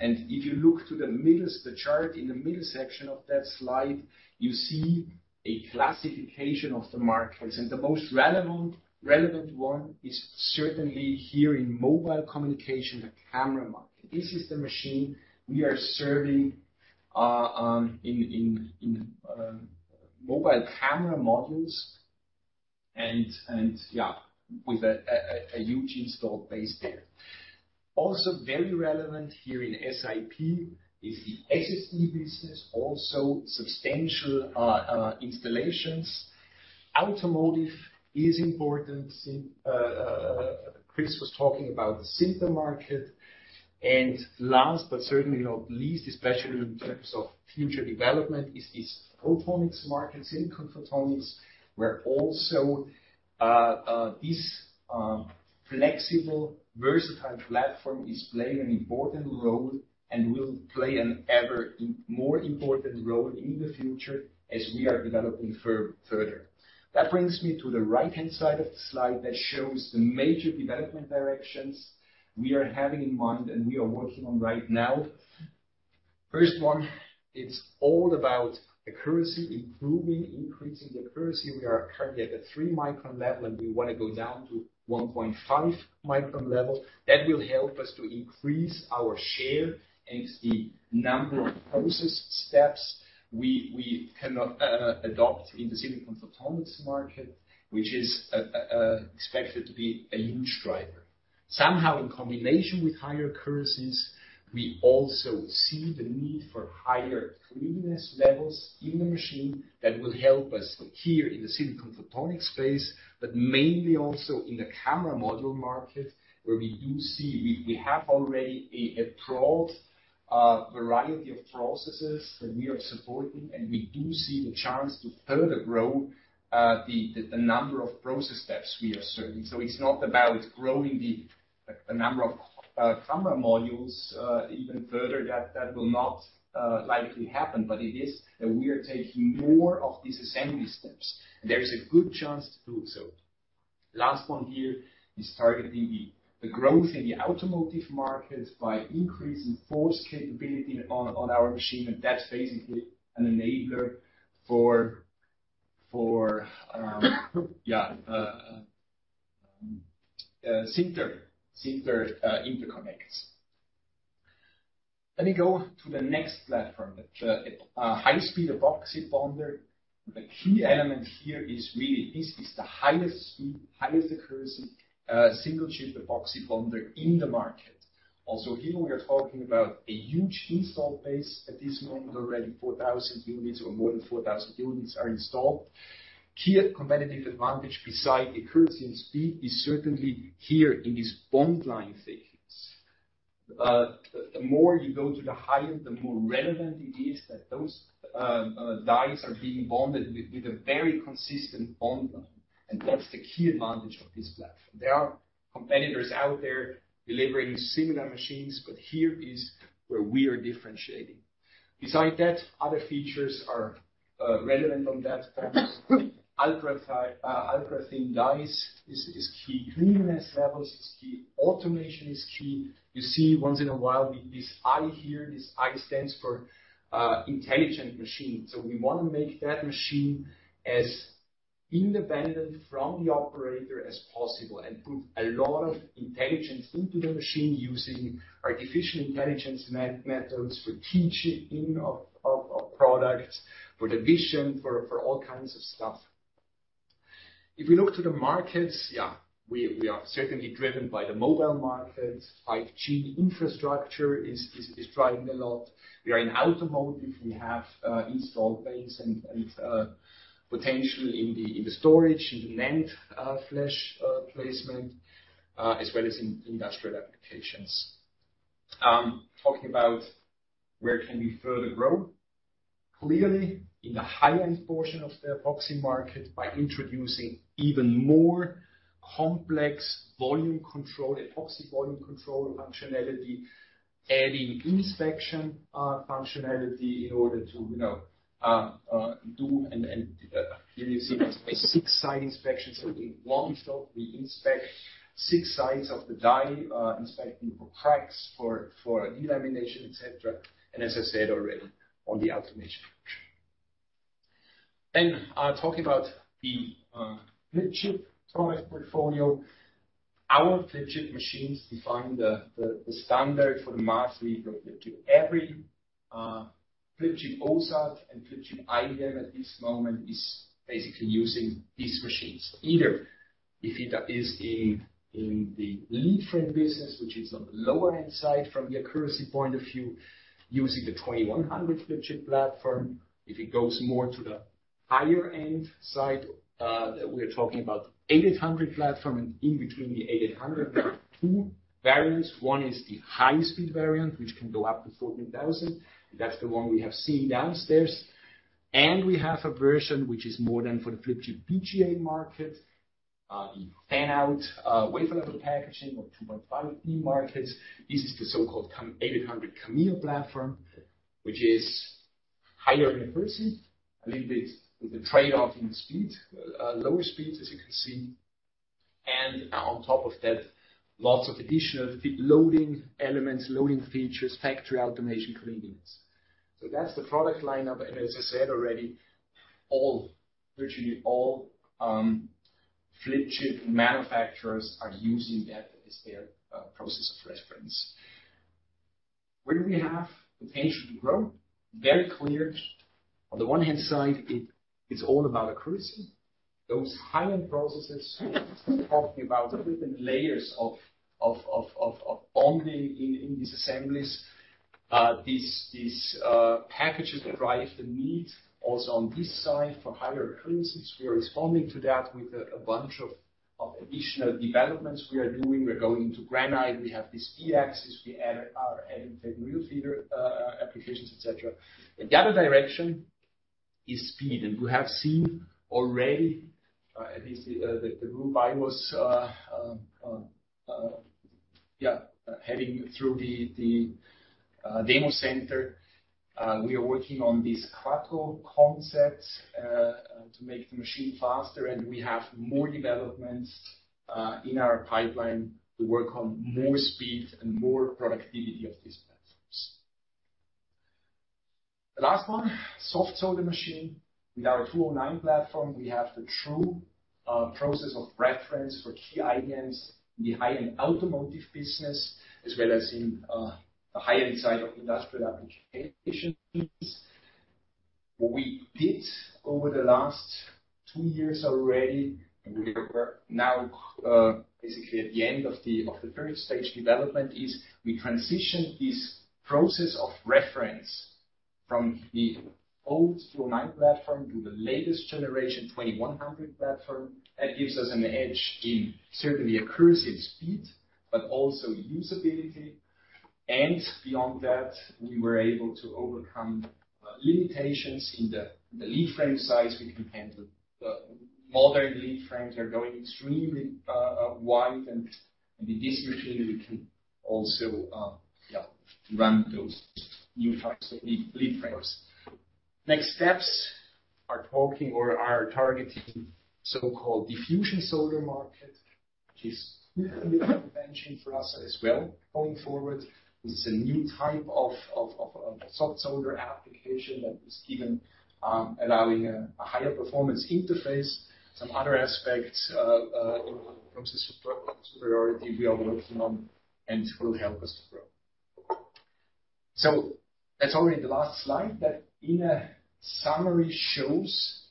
If you look to the middle, the chart in the middle section of that slide, you see a classification of the markets. The most relevant one is certainly here in mobile communication, the camera market. This is the machine we are serving in mobile camera modules, and with a huge install base there. Also, very relevant here in SiP is the SSD business. Also substantial installations. Automotive is important, since Chris was talking about the sinter market. Last, but certainly not least, especially in terms of future development is photonics markets, silicon photonics, where also this flexible, versatile platform is playing an important role and will play an ever more important role in the future as we are developing further. That brings me to the right-hand side of the slide that shows the major development directions we are having in mind and we are working on right now. First one, it's all about accuracy, improving, increasing the accuracy. We are currently at the three micron level, and we wanna go down to 1.5 micron level. That will help us to increase our share and the number of process steps we cannot adopt in the silicon photonics market, which is expected to be a huge driver. Somehow in combination with higher accuracies, we also see the need for higher cleanliness levels in the machine that will help us here in the silicon photonics space, but mainly also in the camera module market, where we do see. We have already a broad variety of processes that we are supporting, and we do see the chance to further grow the number of process steps we are serving. It's not about growing the number of camera modules even further. That will not likely happen. It is that we are taking more of these assembly steps, and there is a good chance to do so. Last one here is targeting the growth in the automotive market by increasing force capability on our machine, and that's basically an enabler for sinter interconnects. Let me go to the next platform. The high-speed epoxy bonder. The key element here is really this is the highest speed, highest accuracy single chip epoxy bonder in the market. Also, here we are talking about a huge install base. At this moment, already 4,000 units or more than 4,000 units are installed. Key competitive advantage besides accuracy and speed is certainly here in this bondline thickness. The more you go to the higher, the more relevant it is that those dies are being bonded with a very consistent bondline, and that's the key advantage of this platform. There are competitors out there delivering similar machines, but here is where we are differentiating. Besides that, other features are relevant on that front. Ultra-thin dies is key. Cleanliness levels is key. Automation is key. You see once in a while, this I here. This I stands for intelligent machine. So we wanna make that machine as independent from the operator as possible and put a lot of intelligence into the machine using artificial intelligence meta-methods for teaching of products, for the vision, for all kinds of stuff. If we look to the markets, yeah, we are certainly driven by the mobile markets. 5G infrastructure is driving a lot. We are in automotive. We have install base and potential in the storage, in the NAND flash placement, as well as in industrial applications. Talking about where can we further grow? Clearly, in the high-end portion of the epoxy market by introducing even more complex volume control, epoxy volume control functionality, adding inspection functionality in order to do a six-side inspection. In one stop, we inspect six sides of the die, inspecting for cracks, for delamination, et cetera. As I said already, on the automation function. Talking about the flip chip product portfolio. Our flip chip machines define the standard for the market for flip chip. Every flip chip OSAT and flip chip OEM at this moment is basically using these machines. Either if it is in the leadframe business, which is on the lower-end side from the accuracy point of view, using the 2100 flip chip platform. If it goes more to the higher end side, we're talking about 8800 platform. In between the 8800, we have two variants. One is the high-speed variant, which can go up to 14,000. That's the one we have seen downstairs. We have a version which is more than for the flip chip BGA market. The fan-out wafer level packaging or 2.5D markets. This is the so-called 8800 Chameo platform, which is higher accuracy, a little bit with the trade-off in speed. Lower speeds, as you can see. On top of that, lots of additional loading elements, loading features, factory automation convenience. That's the product line up. As I said already, virtually all flip chip manufacturers are using that as their process of reference. Where do we have the potential to grow? Very clear. On the one hand side, it's all about accuracy. Those high-end processes, talking about different layers of bonding in these assemblies. These packages drive the need also on this side for higher accuracies. We are responding to that with a bunch of additional developments we are doing. We're going into granite. We have this B-axis. We are adding tape reel feeder applications, et cetera. The other direction is speed. You have seen already at least the group I was heading through the demo center. We are working on these cradle concepts to make the machine faster, and we have more developments in our pipeline to work on more speed and more productivity of these platforms. The last one, soft solder machine. With our 2009 platform, we have the true process of reference for key items in the high-end automotive business, as well as in the high-end side of industrial applications. What we did over the last two years already, and we are now basically at the end of the third stage development, is we transitioned this process of reference from the old 2009 platform to the latest generation 2100 platform. That gives us an edge in certainly accuracy and speed, but also usability. Beyond that, we were able to overcome limitations in the leadframe size. We can handle modern leadframes. They're going extremely wide and with this machine, we can also run those new types of leadframes. Next steps are targeting so-called diffusion soldering market, which is completely new invention for us as well going forward. This is a new type of soft solder application that is even allowing a higher performance interface. Some other aspects in process superiority we are working on and will help us grow. That's already the last slide that in a summary shows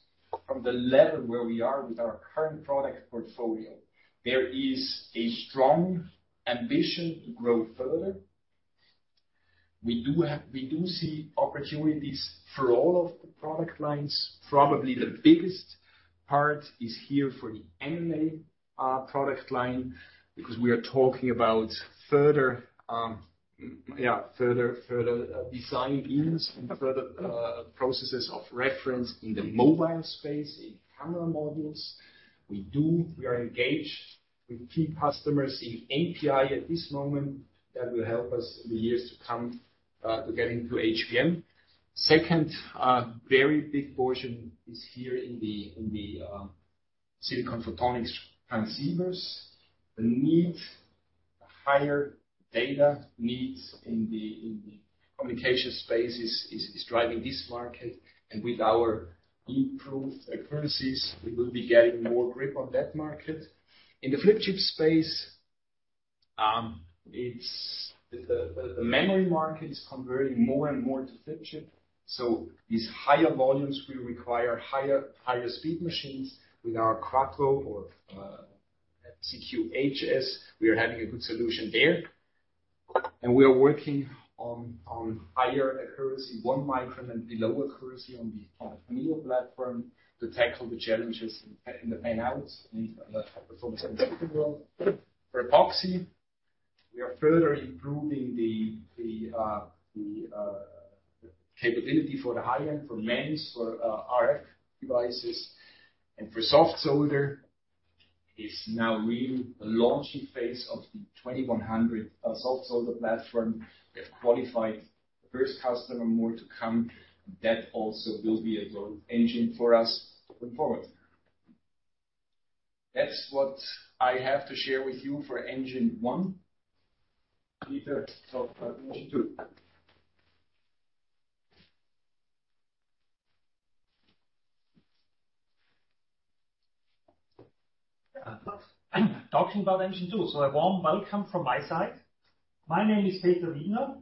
from the level where we are with our current product portfolio. There is a strong ambition to grow further. We do see opportunities for all of the product lines. Probably the biggest part is here for the MMA product line, because we are talking about further design-ins and further processes of reference in the mobile space, in camera modules. We are engaged with key customers in APAC at this moment that will help us in the years to come to get into HBM. Second, very big portion is here in the silicon photonics transceivers. The higher data needs in the communication space is driving this market. With our improved accuracies, we will be getting more grip on that market. In the flip chip space, it's the memory market is converting more and more to flip chip, so these higher volumes will require higher speed machines. With our Quattro or CQ HS, we are having a good solution there. We are working on higher accuracy, one micron and below accuracy on the CHAMEO platform to tackle the challenges in the fan-outs in the electronic performance world. For epoxy, we are further improving the capability for the high-end, for MEMS, for RF devices. For soft solder is now really the launching phase of the 2100 soft solder platform. We have qualified the first customer, more to come. That also will be a growth engine for us going forward. That's what I have to share with you for Engine One. Peter, talk about Engine Two. I'm talking about Engine Two. A warm welcome from my side. My name is Peter Wiedner.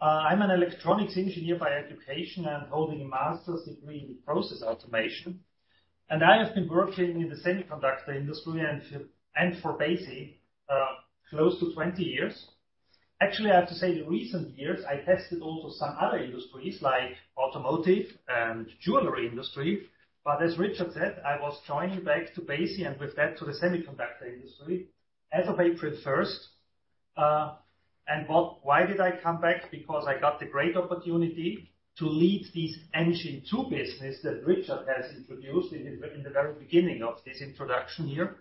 I'm an electronics engineer by education and holding a master's degree in process automation. I have been working in the semiconductor industry and for Besi close to 20 years. Actually, I have to say in recent years, I tested also some other industries like automotive and jewelry industry. As Richard said, I was joined back to Besi and with that to the semiconductor industry as of April first. Why did I come back? Because I got the great opportunity to lead this Engine Two business that Richard has introduced in the very beginning of this introduction here.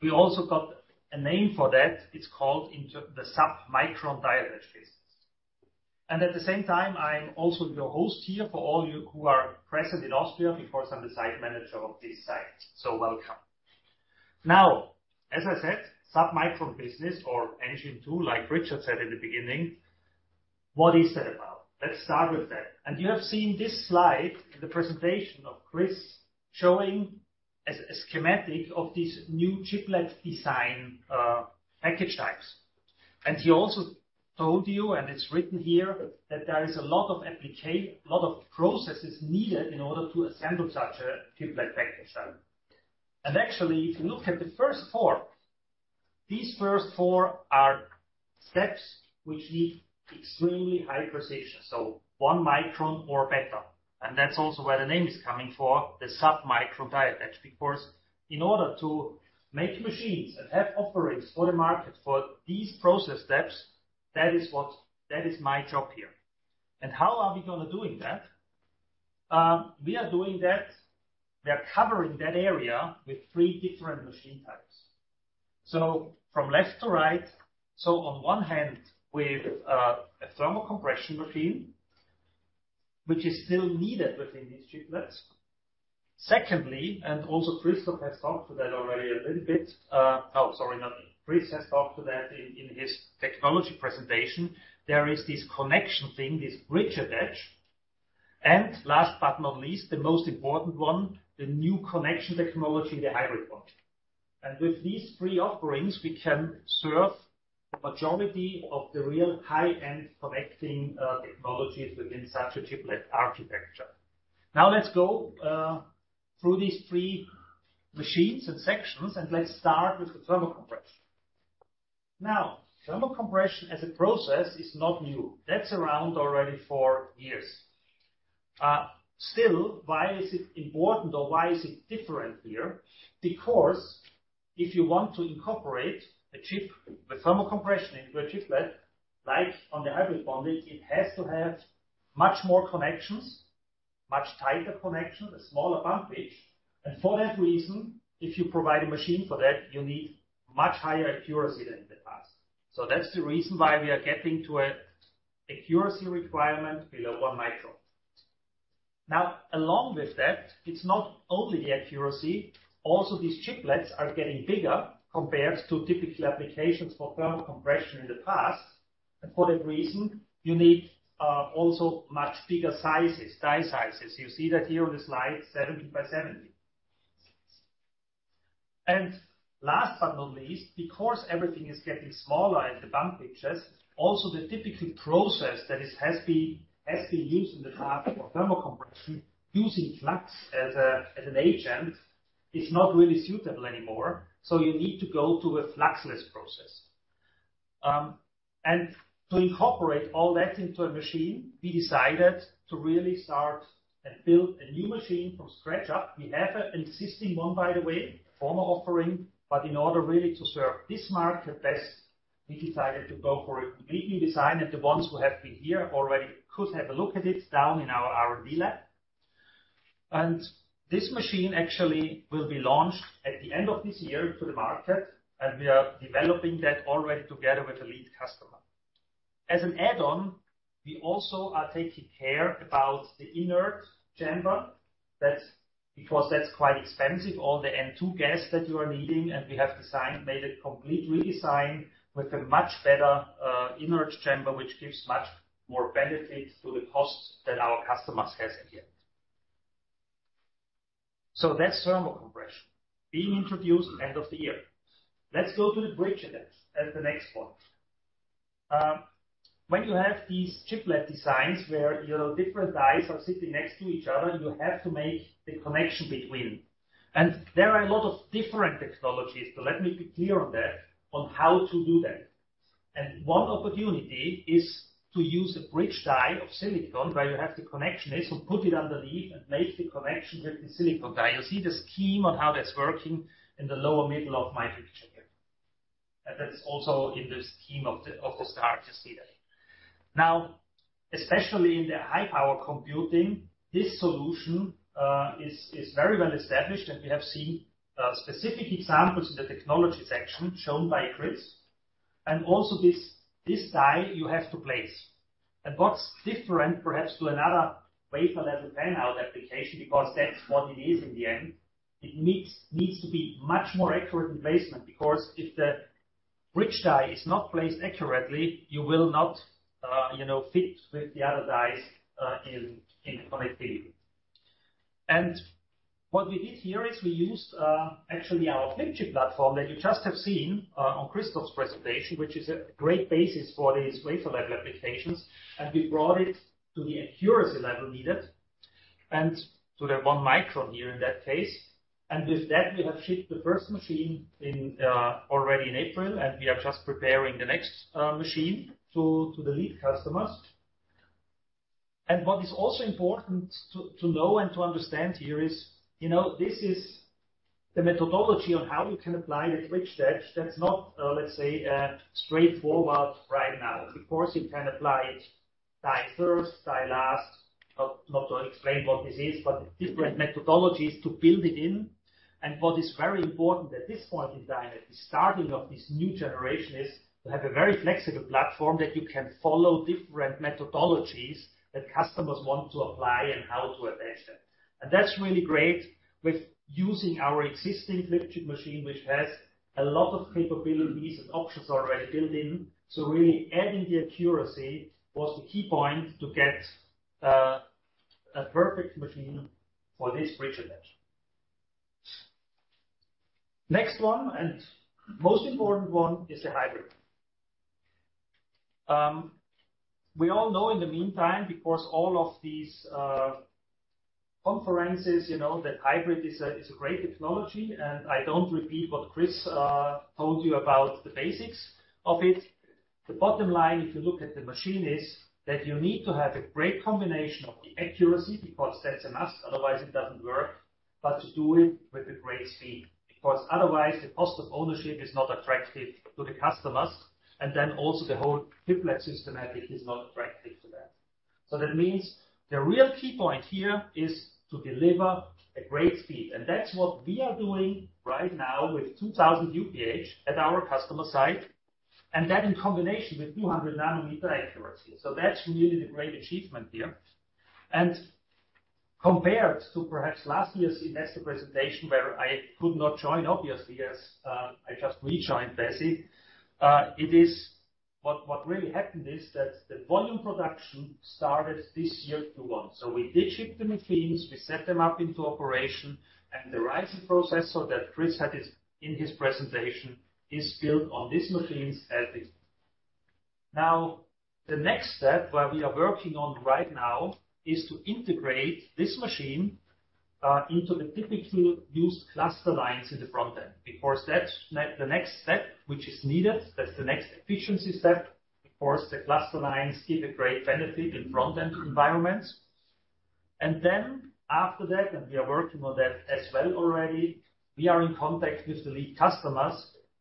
We also got a name for that. It's called the submicron die attach business. At the same time, I'm also your host here for all you who are present in Austria, because I'm the site manager of this site. Welcome. Now, as I said, submicron business or Engine Two, like Richard said in the beginning, what is that about? Let's start with that. You have seen this slide in the presentation of Chris, showing a schematic of this new chiplet design package types. He also told you, and it's written here, that there is a lot of processes needed in order to assemble such a chiplet package type. Actually, if you look at the first four, these first four are steps which need extremely high precision, so 1 micron or better. That's also where the name is coming for, the sub-micron die attach, because in order to make machines and have offerings for the market for these process steps, that is my job here. How are we gonna doing that? We are doing that, we are covering that area with three different machine types. From left to right. On one hand, with a thermal compression machine, which is still needed within these chiplets. Secondly, and also Christoph has talked to that already a little bit, oh, sorry, not him. Chris has talked to that in his technology presentation. There is this connection thing, this bridge attach. Last but not least, the most important one, the new connection technology, the hybrid bonding. With these three offerings, we can serve the majority of the real high-end connecting technologies within such a chiplet architecture. Now, let's go through these three machines and sections, and let's start with the thermal compression. Now, thermal compression as a process is not new. That's around already for years. Still, why is it important, or why is it different here? Because if you want to incorporate a chip with thermal compression into a chiplet, like on the hybrid bonding, it has to have much more connections, much tighter connection, a smaller bump pitch. For that reason, if you provide a machine for that, you need much higher accuracy than in the past. That's the reason why we are getting to an accuracy requirement below 1 micron. Now, along with that, it's not only the accuracy. Also these chiplets are getting bigger compared to typical applications for thermal compression in the past. For that reason, you need also much bigger sizes, die sizes. You see that here on the slide, 70 by 70. Last but not least, because everything is getting smaller in the bump pitches, also the typical process that has been used in the past for thermal compression, using flux as an agent, is not really suitable anymore. You need to go to a fluxless process. To incorporate all that into a machine, we decided to really start and build a new machine from the ground up. We have an existing one, by the way, former offering, but in order really to serve this market best, we decided to go for a complete redesign, and the ones who have been here already could have a look at it down in our R&D lab. This machine actually will be launched at the end of this year to the market, and we are developing that already together with the lead customer. As an add-on, we also are taking care about the inert chamber. That's because that's quite expensive, all the N2 gas that you are needing, and we have designed, made a complete redesign with a much better inert chamber, which gives much more benefit to the costs that our customers has in the end. That's thermal compression being introduced end of the year. Let's go to the bridge attach as the next point. When you have these chiplet designs where your different dies are sitting next to each other, you have to make the connection between. There are a lot of different technologies, so let me be clear on that, on how to do that. One opportunity is to use a bridge die of silicon where you have the connection, and so put it underneath and make the connection with the silicon die. You see the scheme on how that's working in the lower middle of my picture here. That's also in the scheme of this chart you see there. Now, especially in the high power computing, this solution is very well established, and we have seen specific examples in the technology section shown by Chris. Also this die you have to place. What's different, perhaps, to another wafer level fan-out application, because that's what it is in the end, it needs to be much more accurate in placement, because if the bridge die is not placed accurately, you will not, you know, fit with the other dies, in connectivity. What we did here is we used, actually our flip chip platform that you just have seen, on Christoph's presentation, which is a great basis for these wafer level applications, and we brought it to the accuracy level needed and to the 1 micron here in that case. With that, we have shipped the first machine in already in April, and we are just preparing the next machine to the lead customers. What is also important to know and to understand here is, you know, this is the methodology on how you can apply the bridge die. That's not, let's say, straightforward right now. Of course, you can apply it die first, die last. Not to explain what this is, but different methodologies to build it in. What is very important at this point in time, at the starting of this new generation, is to have a very flexible platform that you can follow different methodologies that customers want to apply and how to adapt them. That's really great with using our existing flip chip machine, which has a lot of capabilities and options already built in. Really adding the accuracy was the key point to get a perfect machine for this bridge die. Next one, and most important one is the hybrid. We all know in the meantime, because all of these conferences, you know, that hybrid is a great technology, and I don't repeat what Chris told you about the basics of it. The bottom line, if you look at the machine, is that you need to have a great combination of the accuracy, because that's a must, otherwise it doesn't work. To do it with a great speed, because otherwise the cost of ownership is not attractive to the customers, and then also the whole chiplet ecosystem is not attractive to that. That means the real key point here is to deliver a great speed, and that's what we are doing right now with 2000 UPH at our customer site, and that in combination with 200 nanometer accuracy. That's really the great achievement here. Compared to perhaps last year's investor presentation, where I could not join, obviously, as I just rejoined Besi, it is what really happened is that the volume production started this year 2021. We did ship the machines, we set them up into operation, and the Ryzen processor that Chris had in his presentation is built on these machines as is. Now, the next step, where we are working on right now, is to integrate this machine into the typical used cluster lines in the front end, because that's the next step which is needed. That's the next efficiency step. Of course, the cluster lines give a great benefit in front-end environments. Then after that, and we are working on that as well already, we are in contact with the lead customers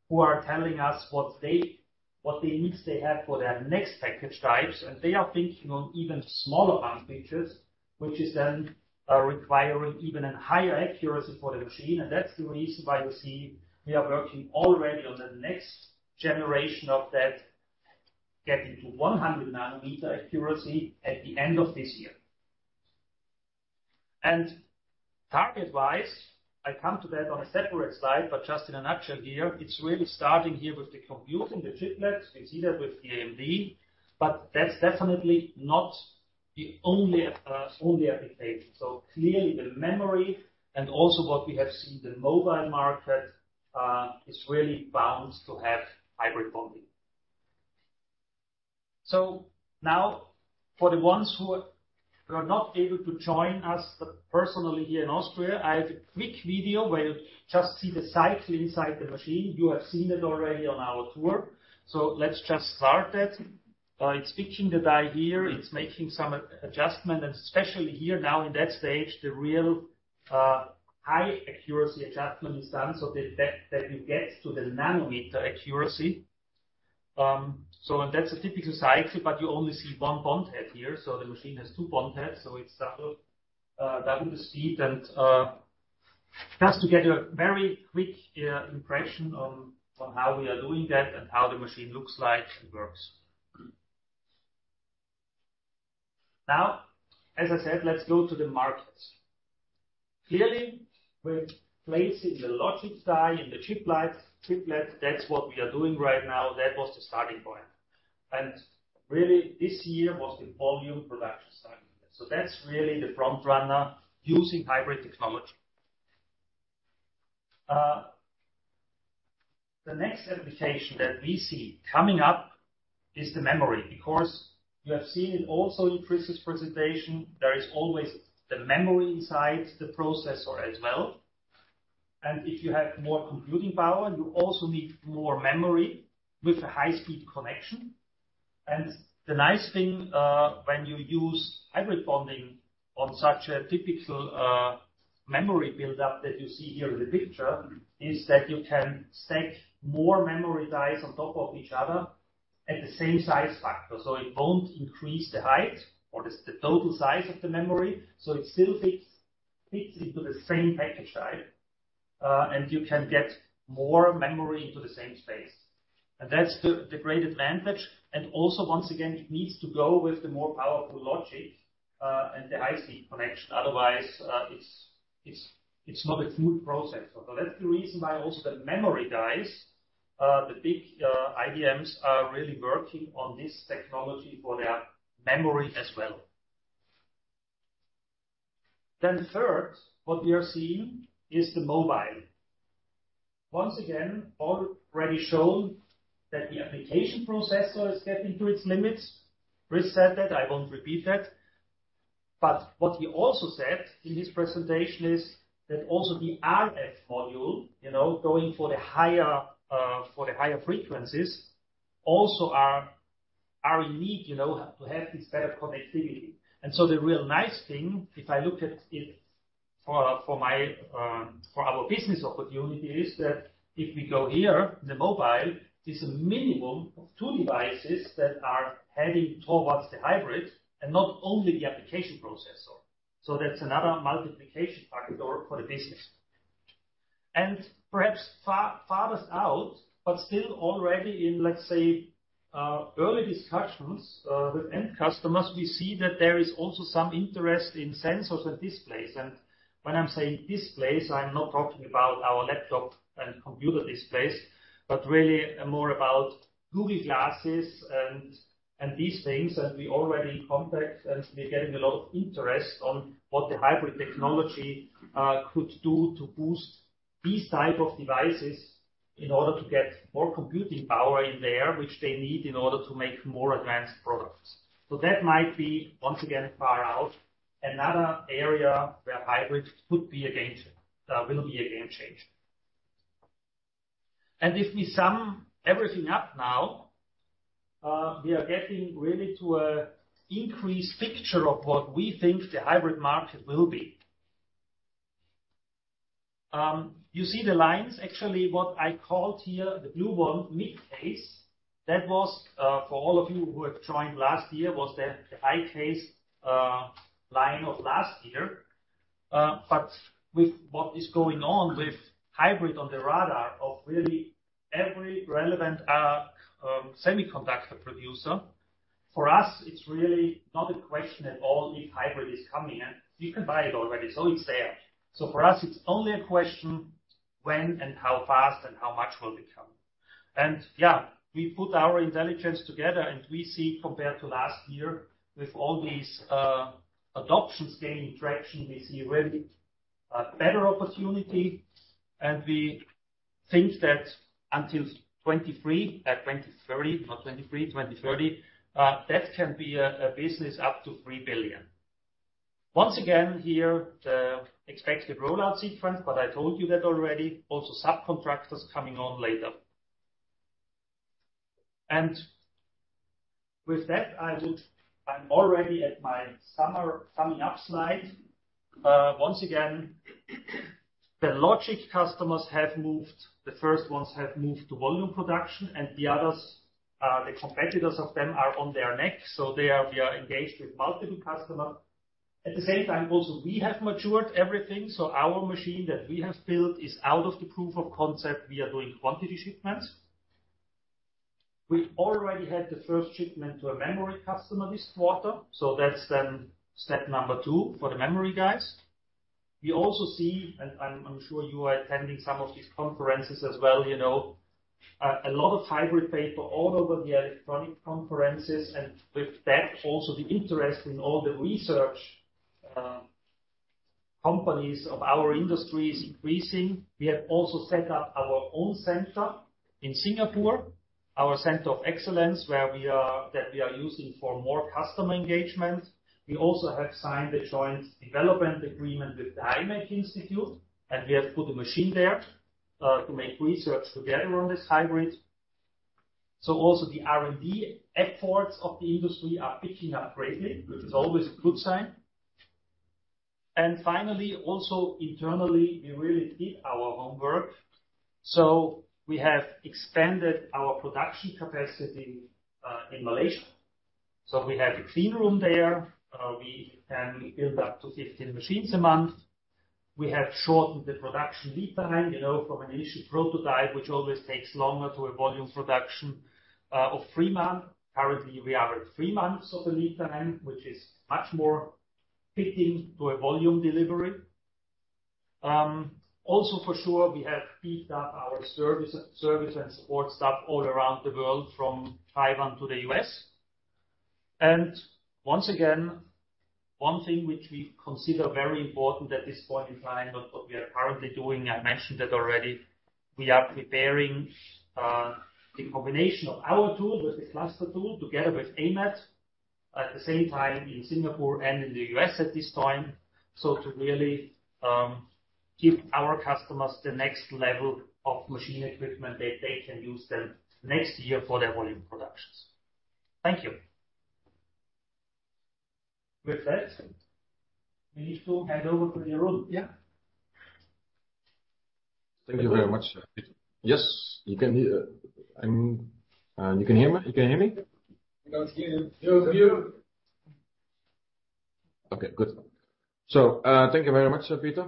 who are telling us what the needs they have for their next package types. They are thinking on even smaller bump features, which is then requiring even a higher accuracy for the machine. That's the reason why you see we are working already on the next generation of that, getting to 100 nanometer accuracy at the end of this year. Target-wise, I come to that on a separate slide, but just in a nutshell here, it's really starting here with the computing, the chiplets. We see that with the AMD, but that's definitely not the only application. Clearly the memory, and also what we have seen, the mobile market, is really bound to have hybrid bonding. Now for the ones who are not able to join us personally here in Austria, I have a quick video where you just see the cycle inside the machine. You have seen it already on our tour. Let's just start that. It's pitching the die here. It's making some adjustment. Especially here now in that stage, the real high accuracy adjustment is done. The fact that you get to the nanometer accuracy. That's a typical cycle, but you only see one bond head here. The machine has two bond heads, so it's double the speed. Just to get a very quick impression on how we are doing that and how the machine looks like and works. Now, as I said, let's go to the markets. Clearly, we're placing the logic die in the chiplet. That's what we are doing right now. That was the starting point. Really this year was the volume production starting point. That's really the front runner using hybrid technology. The next application that we see coming up is the memory. Of course, you have seen it also in Chris's presentation. There is always the memory inside the processor as well. If you have more computing power, you also need more memory with a high-speed connection. The nice thing, when you use hybrid bonding on such a typical, memory build up that you see here in the picture, is that you can stack more memory dies on top of each other at the same size factor. It won't increase the height or the total size of the memory. It still fits into the same package die, and you can get more memory into the same space. That's the great advantage. Also once again, it needs to go with the more powerful logic, and the high-speed connection. Otherwise, it's not a smooth process. That's the reason why also the memory dies, the big IDMs are really working on this technology for their memory as well. Third, what we are seeing is the mobile. Once again, already shown that the application processor is getting to its limits. Chris said that, I won't repeat that. What he also said in his presentation is that also the RF module, you know, going for the higher frequencies also are in need, you know, to have this better connectivity. The real nice thing, if I look at it for my, for our business opportunity, is that if we go here in the mobile, it's a minimum of two devices that are heading towards the hybrid and not only the application processor. That's another multiplication factor for the business. Perhaps farthest out, but still already in, let's say, early discussions with end customers, we see that there is also some interest in sensors and displays. When I'm saying displays, I'm not talking about our laptop and computer displays, but really more about Google Glass and these things. We're already in contact, and we're getting a lot of interest on what the hybrid technology could do to boost these type of devices in order to get more computing power in there, which they need in order to make more advanced products. That might be, once again, far out, another area where hybrids could be a game changer. If we sum everything up now, we are getting really to a increased picture of what we think the hybrid market will be. You see the lines. Actually, what I called here the blue one mid case, that was, for all of you who have joined last year, was the high case line of last year. With what is going on with hybrid on the radar of really every relevant semiconductor producer, for us, it's really not a question at all if hybrid is coming, and you can buy it already, so it's there. For us, it's only a question when and how fast and how much will it come. Yeah, we put our intelligence together, and we see compared to last year, with all these adoption gaining traction, we see really a better opportunity. We think that until 2030, not 2023, 2030, that can be a business up to 3 billion. Once again, here the expected rollout sequence, but I told you that already. Also, subcontractors coming on later. With that, I'm already at my summing up slide. Once again, the logic customers have moved. The first ones have moved to volume production, and the others, the competitors of them are on their neck, so we are engaged with multiple customer. At the same time also, we have matured everything, so our machine that we have built is out of the proof of concept. We are doing quantity shipments. We already had the first shipment to a memory customer this quarter, so that's then step number two for the memory guys. We also see, and I'm sure you are attending some of these conferences as well, you know, a lot of hybrid papers all over the electronics conferences. With that, also the interest in all the research companies of our industry is increasing. We have also set up our own Center of Excellence in Singapore, where we are using for more customer engagement. We also have signed a joint development agreement with imec, and we have put a machine there to make research together on this hybrid. The R&D efforts of the industry are picking up greatly, which is always a good sign. Finally, also internally, we really did our homework. We have expanded our production capacity in Malaysia. We have a clean room there. We can build up to 15 machines a month. We have shortened the production lead time, you know, from an initial prototype, which always takes longer to a volume production of three months. Currently, we are at three months of the lead time, which is much more fitting to a volume delivery. Also for sure, we have beefed up our service and support staff all around the world, from Taiwan to the U.S. Once again, one thing which we consider very important at this point in time of what we are currently doing, I mentioned it already, we are preparing the combination of our tool with the cluster tool together with AMAT at the same time in Singapore and in the U.S. at this time. To really give our customers the next level of machine equipment that they can use then next year for their volume productions. Thank you. With that, we need to hand over to Jeroen. Yeah. Thank you very much. Yes, you can hear me? We can hear you. Okay, good. Thank you very much, Peter.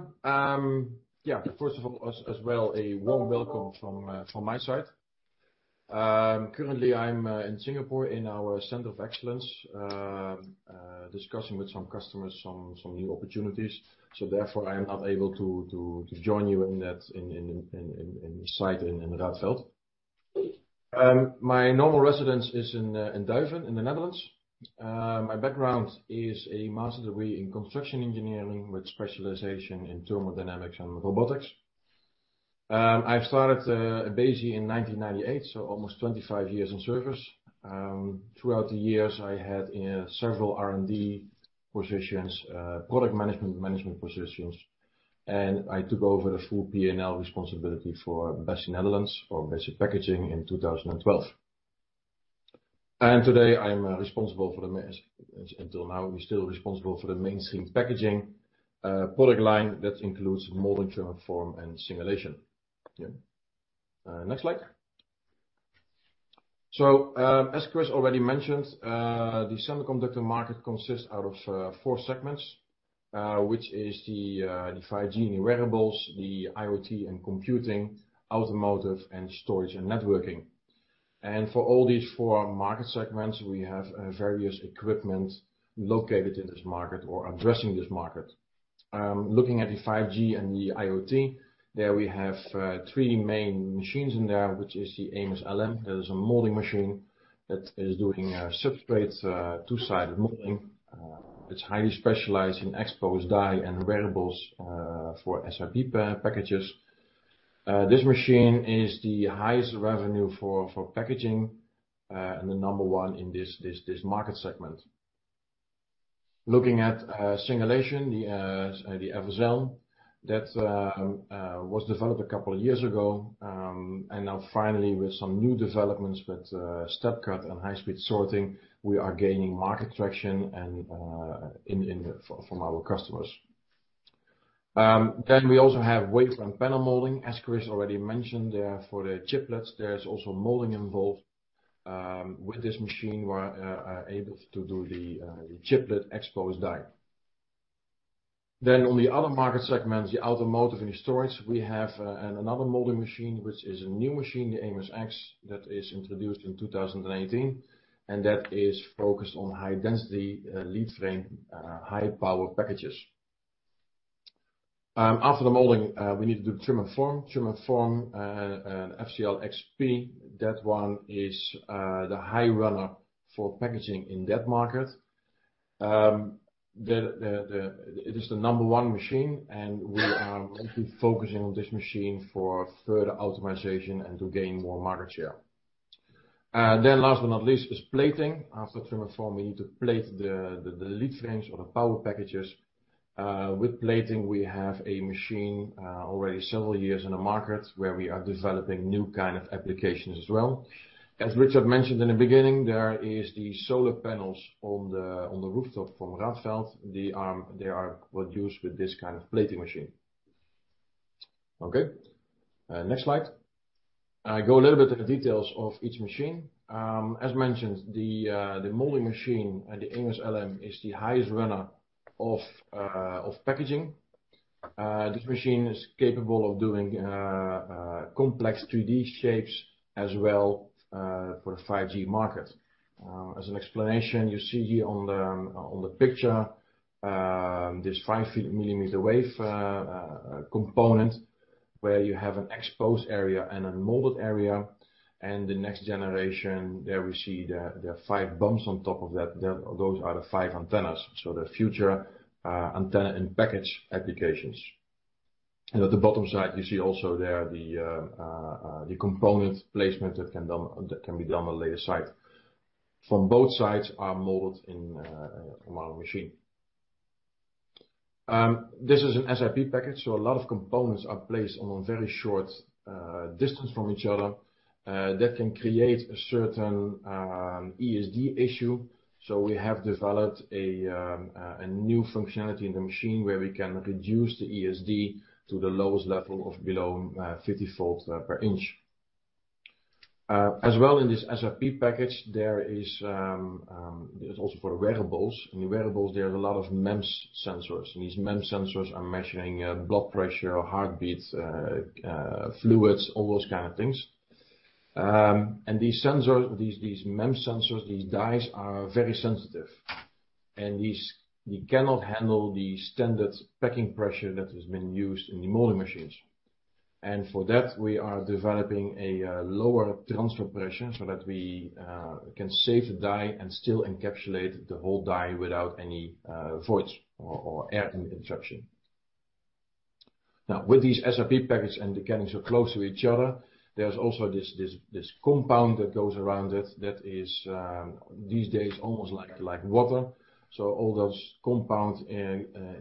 Yeah, first of all, as well, a warm welcome from my side. Currently, I'm in Singapore in our Center of Excellence, discussing with some customers some new opportunities. Therefore, I am not able to join you in that site in Radfeld. My normal residence is in Duiven, in the Netherlands. My background is a master's degree in construction engineering with specialization in thermodynamics and robotics. I've started Besi in 1998, so almost 25 years in service. Throughout the years, I had several R&D positions, product management positions, and I took over the full PNL responsibility for Besi Netherlands for Besi packaging in 2012. Today I am responsible for the main... Until now, I'm still responsible for the mainstream packaging product line. That includes molding, trim and form, and singulation. Next slide. As Chris already mentioned, the semiconductor market consists of four segments, which is the 5G and wearables, the IoT and computing, automotive, and storage and networking. For all these four market segments, we have various equipment located in this market or addressing this market. Looking at the 5G and the IoT, there we have three main machines in there, which is the AMS-LM. That is a molding machine that is doing substrates two-sided molding. It's highly specialized in exposed die and wearables for SiP packages. This machine is the highest revenue for packaging and the number one in this market segment. Looking at singulation, the FML that was developed a couple of years ago. Now finally with some new developments with step cut and high-speed sorting, we are gaining market traction from our customers. We also have wafer panel molding. As Chris already mentioned, for the chiplets, there's also molding involved. With this machine, we are able to do the chiplet exposed die. On the other market segments, the automotive and storage, we have another molding machine, which is a new machine, the AMS-X, that is introduced in 2018, and that is focused on high-density leadframe high-power packages. After the molding, we need to do trim and form. Trim and form, FCL-X, that one is the high runner for packaging in that market. It is the number one machine, and we are mostly focusing on this machine for further optimization and to gain more market share. Last but not least, is plating. After trim and form, we need to plate the lead frames or the power packages. With plating, we have a machine already several years in the market where we are developing new kind of applications as well. As Richard mentioned in the beginning, there is the solar panels on the rooftop from Radfeld. They are produced with this kind of plating machine. Okay. Next slide. I go a little bit in the details of each machine. As mentioned, the molding machine, the AMS-LM, is the highest runner of packaging. This machine is capable of doing complex 3D shapes as well for the 5G market. As an explanation, you see here on the picture this 5 millimeter wave component where you have an exposed area and a molded area, and the next generation, there we see the 5 bumps on top of that. Those are the 5 antennas, so the future antenna-in-package applications. At the bottom side, you see also there the component placement that can be done on a later side. From both sides are molded in from our machine. This is a SiP package, so a lot of components are placed on a very short distance from each other. That can create a certain ESD issue, so we have developed a new functionality in the machine where we can reduce the ESD to the lowest level of below 50 volts per inch. As well, in this SiP package, it is also for wearables. In wearables, there are a lot of MEMS sensors, and these MEMS sensors are measuring blood pressure, heartbeats, fluids, all those kind of things. These sensors, these MEMS sensors, these dies are very sensitive. We cannot handle the standard packing pressure that has been used in the molding machines. For that, we are developing a lower transfer pressure so that we can save the die and still encapsulate the whole die without any voids or air interruption. Now, with these SiP packages and they're getting so close to each other, there's also this compound that goes around it that is these days almost like water. All those compounds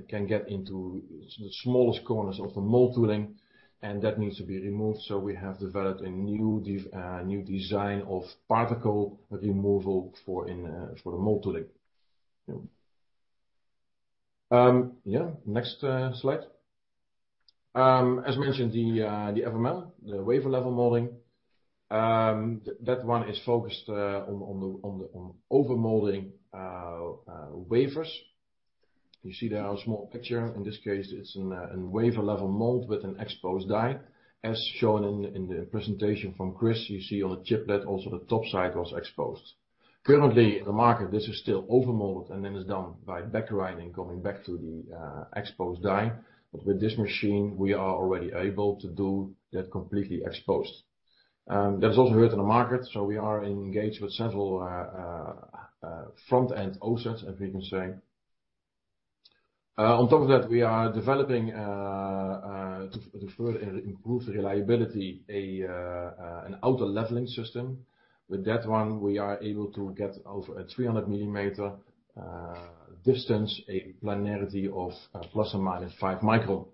can get into the smallest corners of the mold tooling, and that needs to be removed. We have developed a new design of particle removal for the mold tooling. Next slide. As mentioned, the FML, the wafer level molding, that one is focused on the overmolding wafers. You see there a small picture. In this case, it's a wafer level mold with an exposed die. As shown in the presentation from Chris, you see on the chiplet also the top side was exposed. Currently, the market this is still overmolded and it is done by back grinding coming back to the exposed die. With this machine, we are already able to do that completely exposed. That is also heard in the market, so we are engaged with several front-end OSATs, as we can say. On top of that, we are developing to further improve reliability, an auto-leveling system. With that one, we are able to get over a 300 mm distance, a planarity of ±5 micron.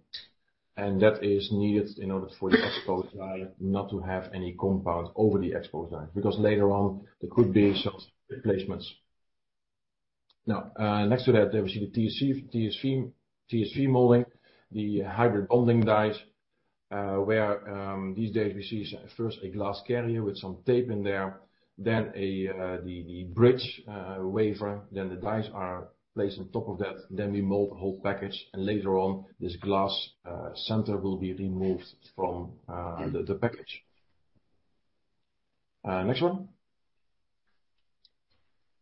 That is needed in order for the exposed die not to have any compound over the exposed die, because later on, there could be some replacements. Next to that, there we see the TSV molding, the hybrid bonding dies, where these days we see first a glass carrier with some tape in there, then the bridge wafer, then the dies are placed on top of that. We mold the whole package, and later on, this glass carrier will be removed from the package. Next one.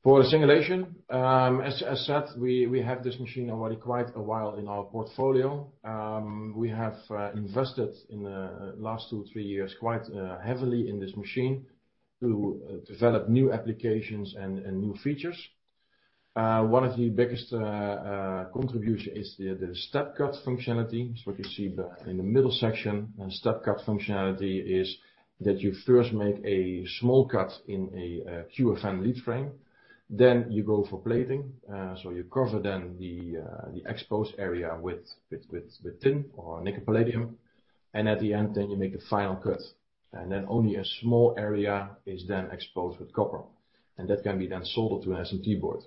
For singulation, as said, we have this machine already quite a while in our portfolio. We have invested in the last two-three years quite heavily in this machine to develop new applications and new features. One of the biggest contribution is the step cut functionality, which you see in the middle section. Step cut functionality is that you first make a small cut in a QFN lead frame, then you go for plating. You cover then the exposed area with tin or nickel palladium. At the end, then you make a final cut, and then only a small area is then exposed with copper. That can be then soldered to an SMT board.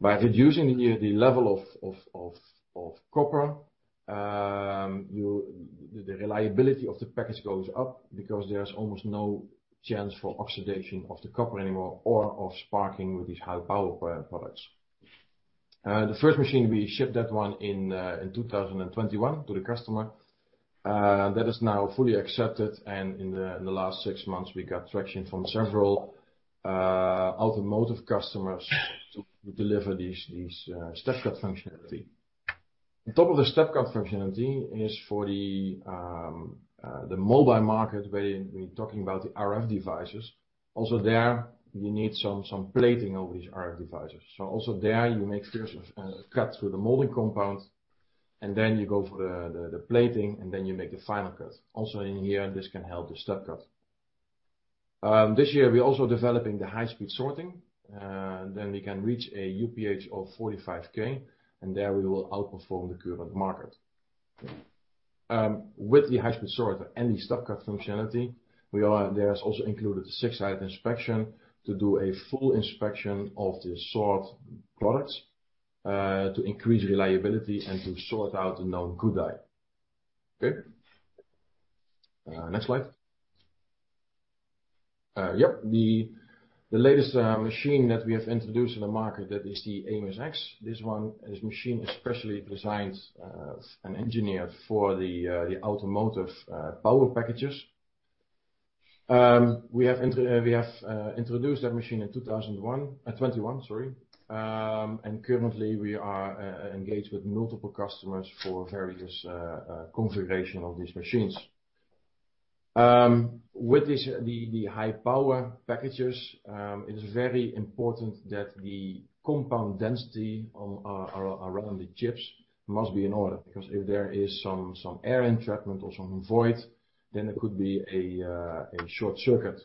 By reducing the level of copper, the reliability of the package goes up because there's almost no chance for oxidation of the copper anymore or of sparking with these high power products. The first machine, we shipped that one in 2021 to the customer. That is now fully accepted, and in the last six months, we got traction from several automotive customers to deliver these step cut functionality. On top of the step cut functionality is for the mobile market, where we're talking about the RF devices. Also there, you need some plating over these RF devices. So also there you make first a cut through the molding compound, and then you go for the plating, and then you make the final cut. Also in here, this can help the step cut. This year we're also developing the high-speed sorting. Then we can reach a UPH of 45K, and there we will outperform the current market. With the high-speed sort and the step cut functionality, there is also included six-side inspection to do a full inspection of the sort products, to increase reliability and to sort out no good die. Okay. Next slide. The latest machine that we have introduced in the market, that is the AMS-X. This one is machine especially designed and engineered for the automotive power packages. We have introduced that machine in 2021, sorry. Currently we are engaged with multiple customers for various configuration of these machines. With this, the high power packages, it is very important that the compound density around the chips must be in order, because if there is some air entrapment or some void, then there could be a short circuit.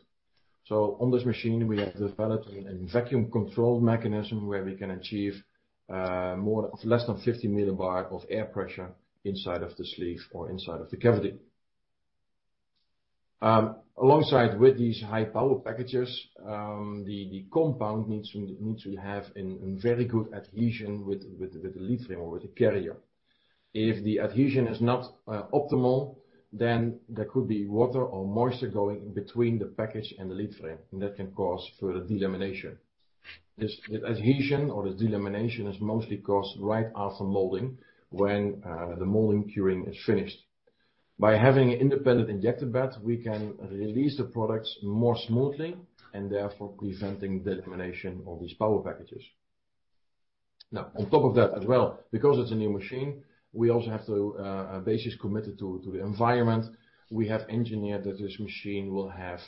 On this machine, we have developed a vacuum control mechanism where we can achieve less than 50 millibar of air pressure inside of the sleeve or inside of the cavity. Alongside with these high power packages, the compound needs to have a very good adhesion with the lead frame or with the carrier. If the adhesion is not optimal, then there could be water or moisture going between the package and the lead frame, and that can cause further delamination. This adhesion or this delamination is mostly caused right after molding, when the molding curing is finished. By having independent injector bed, we can release the products more smoothly and therefore preventing delamination of these power packages. Now, on top of that as well, because it's a new machine, we also have to be committed to the environment. We have engineered that this machine will have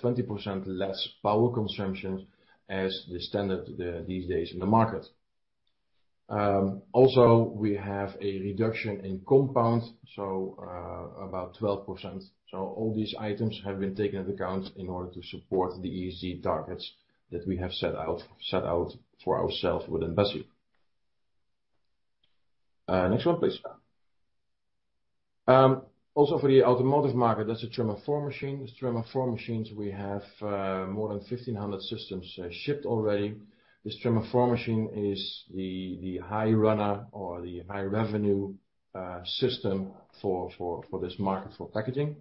20% less power consumption as the standard these days in the market. Also we have a reduction in compound, so about 12%. All these items have been taken into account in order to support the ESG targets that we have set out for ourself within Besi. Next one, please. Also for the automotive market, that's a Trim and Form machine. Trim and Form machines, we have more than 1,500 systems shipped already. This Trim and Form machine is the high runner or the high revenue system for this market for packaging.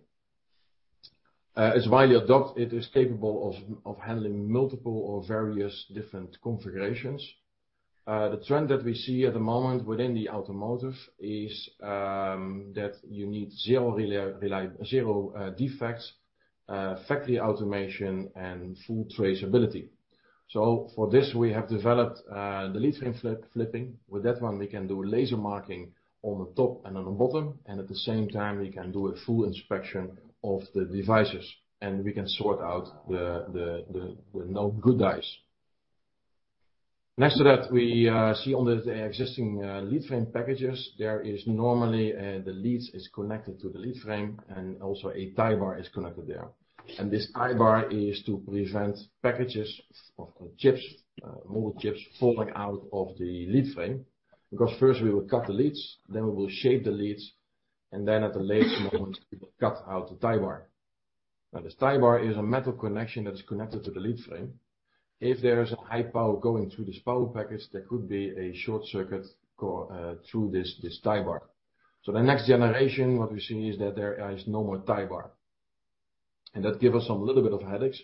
It is capable of handling multiple or various different configurations. The trend that we see at the moment within the automotive is that you need zero defects, factory automation and full traceability. For this, we have developed the leadframe flipping. With that one, we can do laser marking on the top and on the bottom, and at the same time, we can do a full inspection of the devices, and we can sort out the no good dies. Next to that, we see on the existing lead frame packages, there is normally the leads is connected to the lead frame and also a tie bar is connected there. This tie bar is to prevent packages of chips, mobile chips falling out of the lead frame. Because first we will cut the leads, then we will shape the leads, and then at the latest moment, we will cut out the tie bar. Now, this tie bar is a metal connection that is connected to the lead frame. If there is a high power going through this power package, there could be a short circuit going through this tie bar. The next generation, what we see is that there is no more tie bar. That give us a little bit of headaches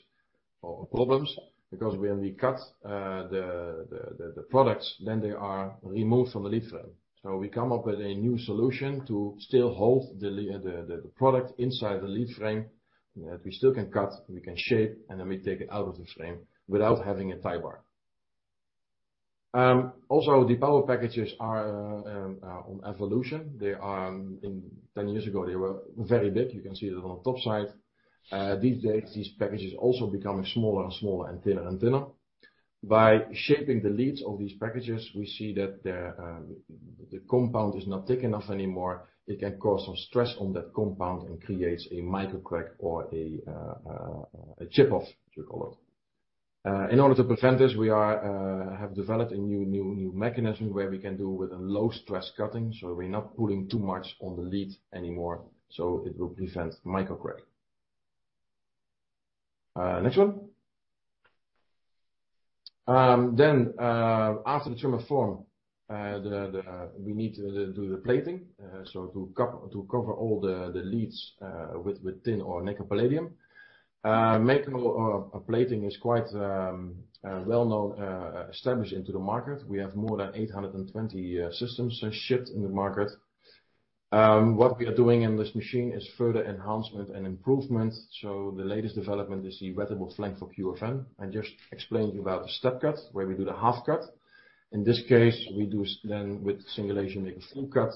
or problems, because when we cut the products, then they are removed from the lead frame. We come up with a new solution to still hold the product inside the lead frame, that we still can cut, we can shape, and then we take it out of the frame without having a tie bar. Also, the power packages are on evolution. They are. Ten years ago, they were very big. You can see it on the top side. These days, these packages also becoming smaller and smaller and thinner and thinner. By shaping the leads of these packages, we see that the compound is not thick enough anymore. It can cause some stress on that compound and creates a micro crack or a chip off, as you call it. In order to prevent this, we have developed a new mechanism where we can do with a low stress cutting, so we're not pulling too much on the lead anymore, so it will prevent micro crack. Next one. After the trim and form, we need to do the plating, so to cover all the leads with tin or nickel palladium. Making a plating is quite well-known, established in the market. We have more than 820 systems shipped in the market. What we are doing in this machine is further enhancement and improvement. The latest development is the wafer blank for QFN. I just explained you about the step cut, where we do the half cut. In this case, we do then with singulation make a full cut,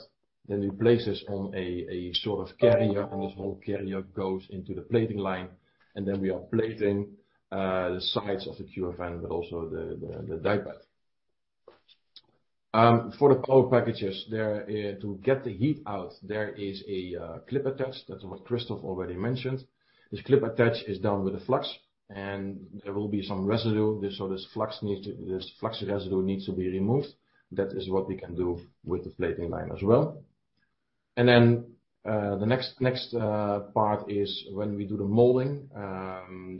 then we place this on a sort of carrier, and this whole carrier goes into the plating line, and then we are plating the sides of the QFN, but also the die pad. For the power packages, to get the heat out, there is a clip attached. That's what Christoph already mentioned. This clip attached is done with the flux, and there will be some residue. This flux residue needs to be removed. That is what we can do with the plating line as well. The next part is when we do the molding,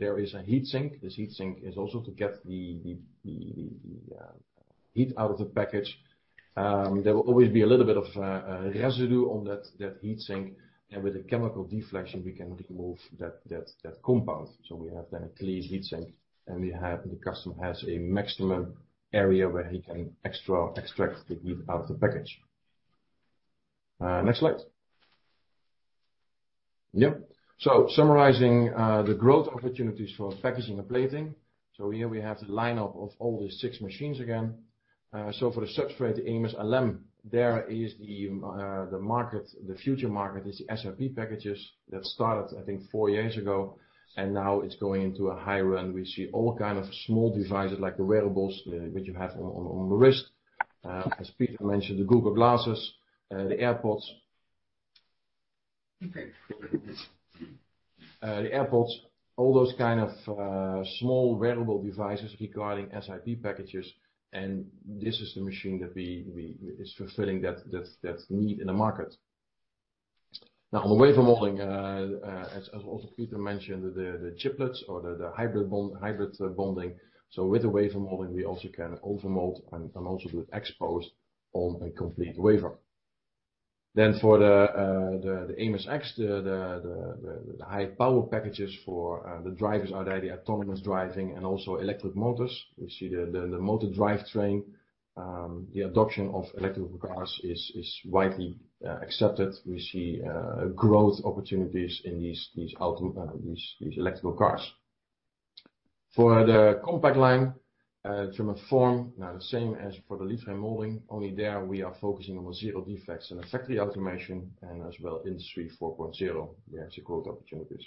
there is a heat sink. This heat sink is also to get the heat out of the package. There will always be a little bit of residue on that heat sink, and with the chemical deflashing, we can remove that compound. We have then a clean heat sink, and the customer has a maximum area where he can extract the heat out of the package. Next slide. Yep. Summarizing the growth opportunities for packaging and plating. Here we have the lineup of all the six machines again. For the substrate, the AMS-LM, there is the market, the future market is the SiP packages that started, I think, four years ago, and now it's going into a high run. We see all kind of small devices like the wearables, which you have on the wrist. As Peter mentioned, the Google Glass, the AirPods, all those kind of small wearable devices requiring SiP packages, and this is the machine that it's fulfilling that need in the market. Now, on the wafer molding, as also Peter mentioned, the chiplets or the hybrid bond, hybrid bonding. With the wafer molding, we also can overmold and also do exposed on a complete wafer. For the AMS-X, the high power packages for the drivers are the autonomous driving and also electric motors. We see the motor drive train. The adoption of electric cars is widely accepted. We see growth opportunities in these auto electric cars. For the Fico Compact Line, now the same as for the lead frame molding, only there we are focusing on zero defects and factory automation, and as well Industry 4.0, we have some growth opportunities.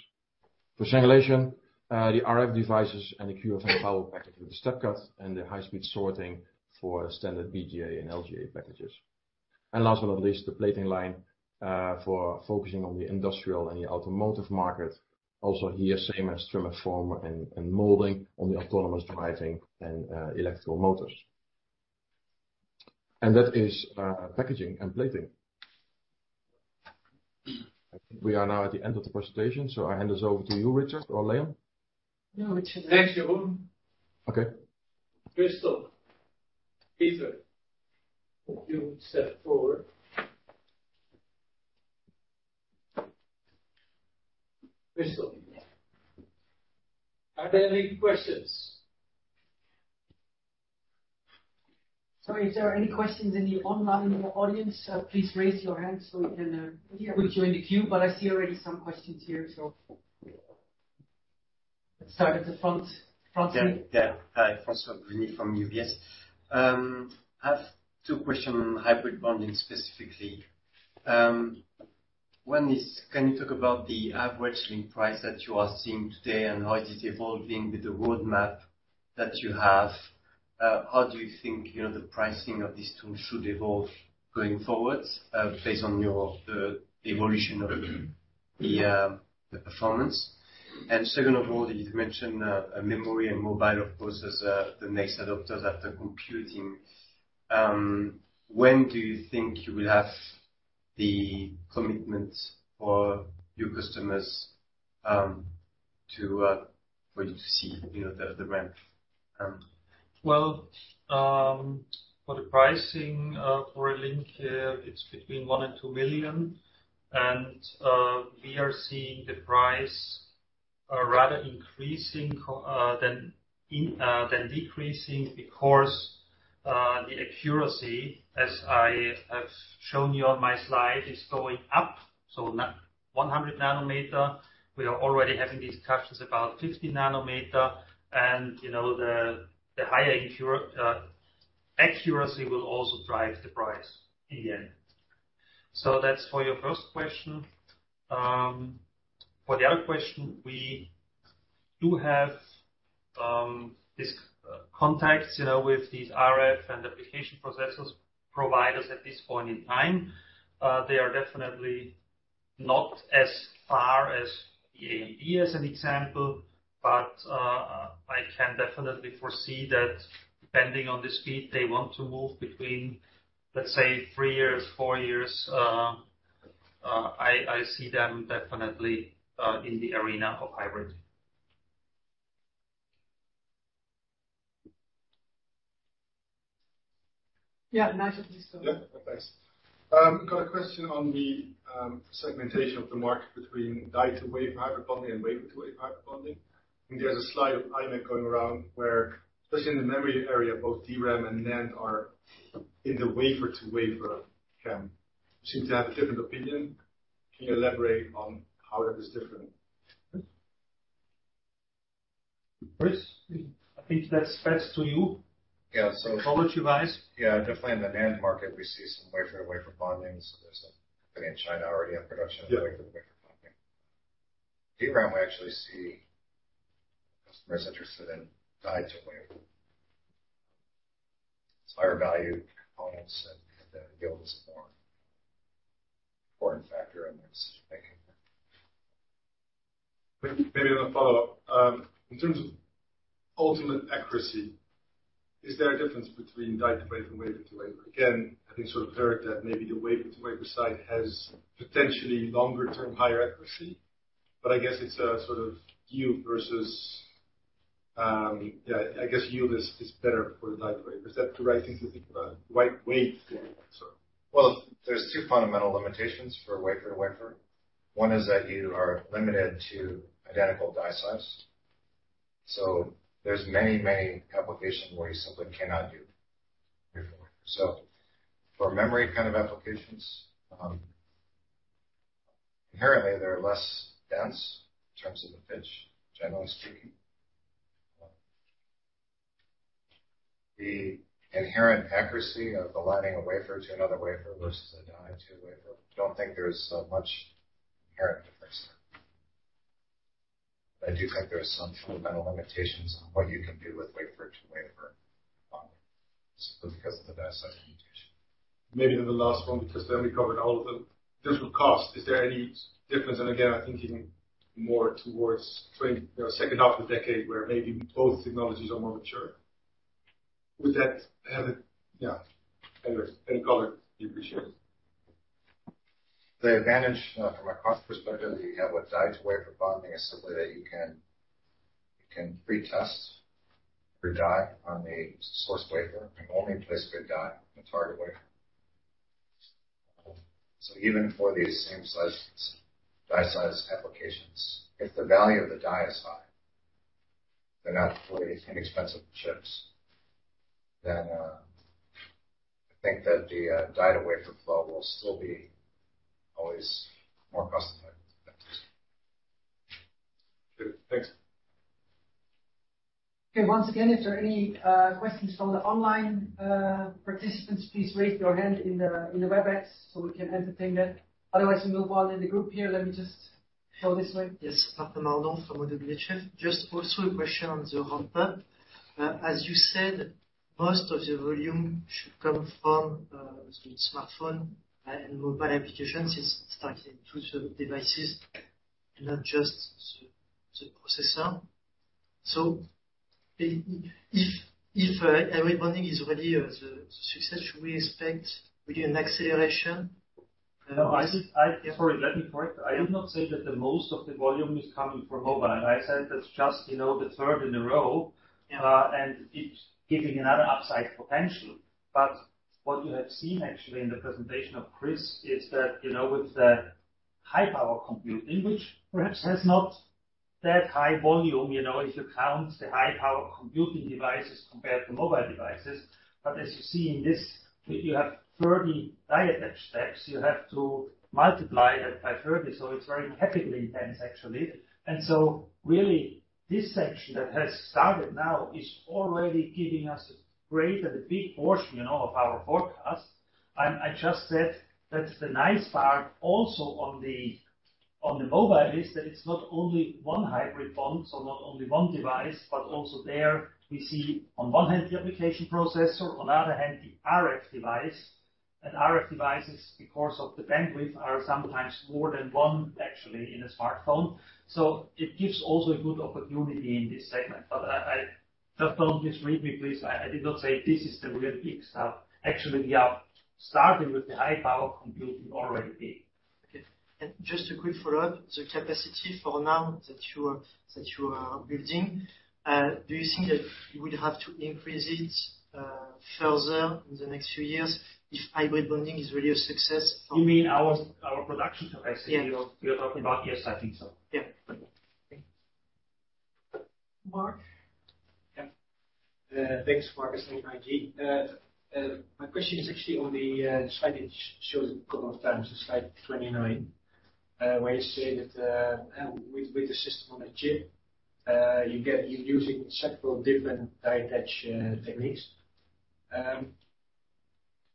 For singulation, the RF devices and the QFN power package with the step cut and the high-speed sorting for standard BGA and LGA packages. Last but not least, the plating line for focusing on the industrial and the automotive market. Here, same as trim and form and molding on the autonomous driving and electric motors. That is packaging and plating. We are now at the end of the presentation, so I hand this over to you, Richard or Leon? No, Richard. Thanks, Jeroen. Okay. Christoph, Peter, if you step forward. Christoph. Are there any questions? Sorry, is there any questions in the online audience? Please raise your hand so we can put you in the queue. I see already some questions here, so let's start at the front. Front here. Hi, Francois-Xavier Bouvignies from UBS. I have two question, hybrid bonding specifically. One is, can you talk about the average selling price that you are seeing today and how it is evolving with the roadmap that you have? How do you think, you know, the pricing of this tool should evolve going forward, based on the evolution of the performance? Second of all, you mentioned memory and mobile, of course, as the next adopters after computing. When do you think you will have the commitment from your customers to for you to see, you know, the ramp? For the pricing, for a link, it's between 1 million and 2 million. We are seeing the price, rather increasing than decreasing because, the accuracy, as I have shown you on my slide, is going up. 100 nanometer, we are already having discussions about 50 nanometer and, you know, the higher accuracy will also drive the price in the end. That's for your first question. For the other question, we do have, these contacts, you know, with these RF and application processors providers at this point in time. They are definitely not as far as APAC as an example, but I can definitely foresee that depending on the speed they want to move between, let's say, 3 years, 4 years. I see them definitely in the arena of hybrid. Yeah. Matthew, please go. Yeah. Thanks. Got a question on the segmentation of the market between die-to-wafer hybrid bonding and wafer-to-wafer hybrid bonding. I think there's a slide of imec going around where especially in the memory area, both DRAM and NAND are in the wafer-to-wafer camp. Seem to have a different opinion. Can you elaborate on how that is different? Chris? I think that's best to you. Yeah. How would you guys? Yeah. Definitely in the NAND market, we see some wafer-to-wafer bondings. There's a company in China already in production. Yeah. Doing the wafer bonding. DRAM, we actually see customers interested in die-to-wafer. It's higher value components, and the yield is a more important factor in this making. Maybe on a follow-up. In terms of ultimate accuracy, is there a difference between die-to-wafer and wafer-to-wafer? Again, I think sort of heard that maybe the wafer-to-wafer side has potentially longer-term higher accuracy, but I guess it's a sort of yield versus, Yeah. I guess yield is better for die-to-wafer. Is that the right thing to think about? Wafer, sorry. Well, there's two fundamental limitations for wafer-to-wafer. One is that you are limited to identical die size. There's many, many applications where you simply cannot do wafer-to-wafer. For memory kind of applications, inherently, they're less dense in terms of the pitch, generally speaking. The inherent accuracy of aligning a wafer to another wafer versus a die-to-wafer, don't think there's so much inherent difference there. I do think there are some fundamental limitations on what you can do with wafer-to-wafer bonding simply because of the die size limitation. Maybe then the last one, because then we covered all of them. In terms of cost, is there any difference? Again, I think even more towards 20, you know, second half of the decade where maybe both technologies are more mature. Would that have? Yeah. Any color would be appreciated. The advantage from a cost perspective that you have with die-to-wafer bonding is simply that you can pretest your die on a source wafer and only place good die on the target wafer. Even for these same size die size applications, if the value of the die is high, they're not fully inexpensive chips, then I think that the die-to-wafer flow will still be always more cost-effective. Sure. Thanks. Okay. Once again, if there are any questions from the online participants, please raise your hand in the Webex, so we can entertain that. Otherwise, we move on in the group here. Let me just go this way. Yes. Martin Marandon-Carlhian from Oddo BHF. Just also a question on the ramp-up. As you said, most of the volume should come from smartphone and mobile applications since it's starting to serve devices and not just the processor. If everybody is ready, the success we expect with an acceleration. Sorry. Let me correct. I did not say that the most of the volume is coming from mobile. I said that's just, you know, the third in a row. Yeah. It's giving another upside potential. What you have seen actually in the presentation of Chris is that, you know, with the high power computing, which perhaps has not that high volume, you know, if you count the high power computing devices compared to mobile devices. As you see in this, you have 30 die attach steps, you have to multiply that by 30, so it's very capital intensive, actually. Really this section that has started now is already giving us a greater, the big portion, you know, of our forecast. I just said that's the nice part also on the On the mobile is that it's not only one hybrid bond, so not only one device, but also there we see on one hand the application processor, on the other hand, the RF device. RF devices, because of the bandwidth, are sometimes more than one actually in a smartphone. It gives also a good opportunity in this segment. I just don't misread me, please. I did not say this is the real big stuff. Actually, we are starting with the high power computing already. Okay. Just a quick follow-up. The capacity for now that you are building, do you think that you would have to increase it further in the next few years if hybrid bonding is really a success for- You mean our production capacity? Yeah. We are talking about? Yes, I think so. Yeah. Okay. Mark? Yeah. Thanks. Mark is from ING. My question is actually on the slide that shows a couple of times, slide 29, where you say that with the system on a chip, you get you're using several different die attach techniques.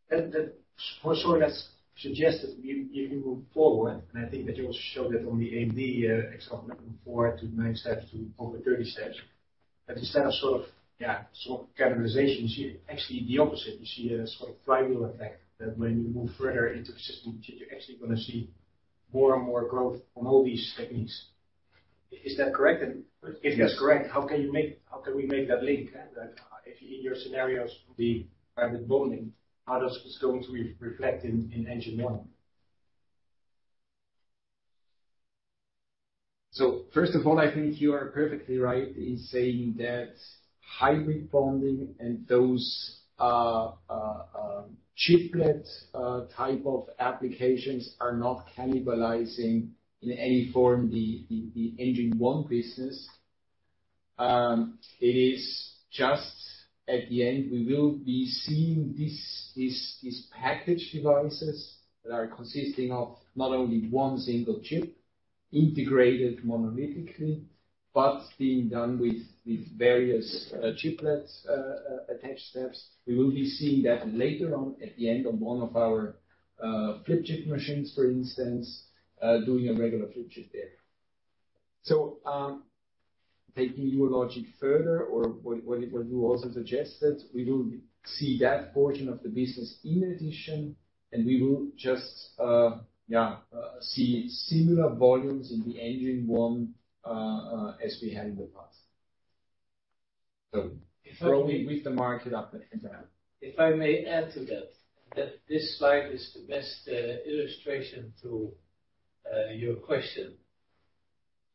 That suggests if you move forward, and I think that you also showed that on the APAC example, number 4-9 steps to over 30 steps. But instead of sort of, yeah, sort of cannibalization, you see actually the opposite. You see a sort of flywheel effect that when you move further into the system, you're actually gonna see more and more growth on all these techniques. Is that correct? Yes. If that's correct, how can we make that link, that if in your scenarios, the hybrid bonding, how does it reflect in Engine One? First of all, I think you are perfectly right in saying that hybrid bonding and those chiplet type of applications are not cannibalizing in any form the Engine One business. It is just at the end, we will be seeing this package devices that are consisting of not only one single chip integrated monolithically, but being done with various chiplets attach steps. We will be seeing that later on at the end on one of our flip chip machines, for instance, doing a regular flip chip there. Taking your logic further or what you also suggested, we will see that portion of the business in addition, and we will just see similar volumes in the Engine One as we had in the past. Growing with the market up and down. If I may add to that this slide is the best illustration to your question.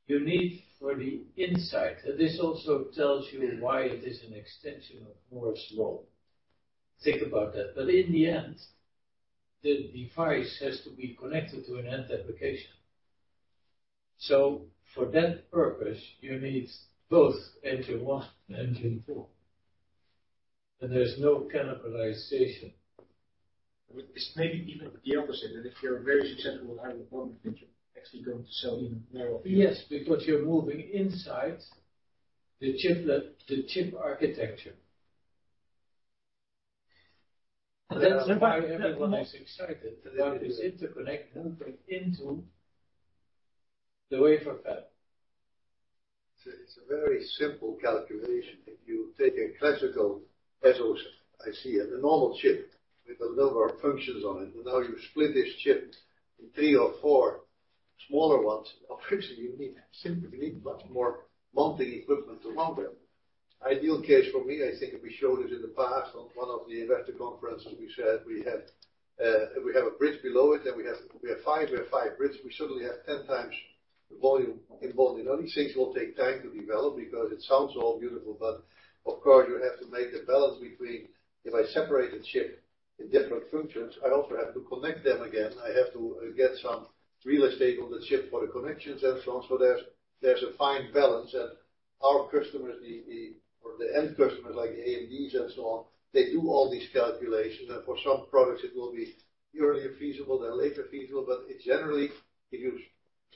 You need for the insight. This also tells you why it is an extension of Moore's Law. Think about that. In the end, the device has to be connected to an end application. For that purpose, you need both Engine One and Engine Four, and there's no cannibalization. It's maybe even the opposite, that if you're very successful with hybrid bonding, that you're actually going to sell even more of it. Yes, because you're moving inside the chiplet, the chip architecture. That's why everyone is excited that it is interconnecting into the wafer fab. It's a very simple calculation. If you take a classical SoC IC and a normal chip with a number of functions on it, and now you split this chip in three or four smaller ones, obviously, simply you need much more mounting equipment to mount them. Ideal case for me, I think, and we showed it in the past on one of the investor conferences. We said we have a bridge below it, and we have five bridges. We suddenly have 10 times the volume involved. All these things will take time to develop because it all sounds beautiful, but of course, you have to make the balance between if I separate the chip in different functions, I also have to connect them again. I have to get some real estate on the chip for the connections and so on. There's a fine balance. Our customers need the, or the end customers like AMD's and so on, they do all these calculations. For some products it will be earlier feasible, then later feasible. It generally, if you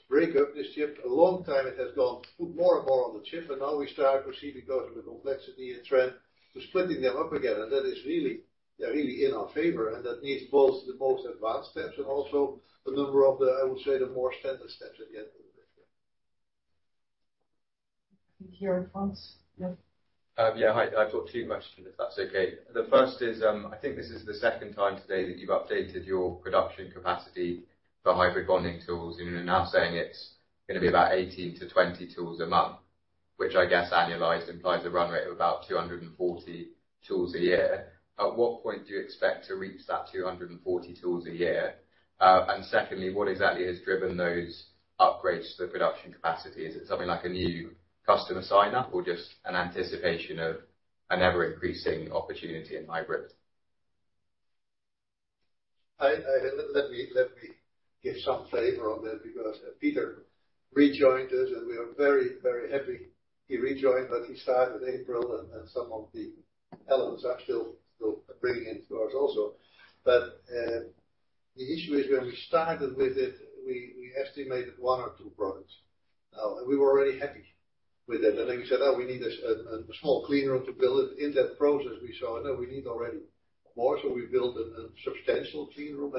break up this chip, a long time it has gone, put more and more on the chip, and now we start to see because of the complexity and trend to splitting them up again. That is really, really in our favor. That needs both the most advanced steps and also a number of the, I would say, the more standard steps at the end of it, yeah. Here in front. Yeah. Yeah. Hi, I've got two questions, if that's okay. The first is, I think this is the second time today that you've updated your production capacity for hybrid bonding tools, and you're now saying it's gonna be about 18-20 tools a month. Which I guess annualized implies a run rate of about 240 tools a year. At what point do you expect to reach that 240 tools a year? And secondly, what exactly has driven those upgrades to the production capacity? Is it something like a new customer sign up or just an anticipation of an ever-increasing opportunity in hybrids? Let me give some flavor on that because Peter rejoined us, and we are very, very happy he rejoined. He started April, and some of the elements are still bringing in to us also. The issue is when we started with it, we estimated 1 or 2 products. No, we were already happy with that. Then we said, "Oh, we need this, a small clean room to build it." In that process, we saw, no, we need already more, so we built a substantial clean room.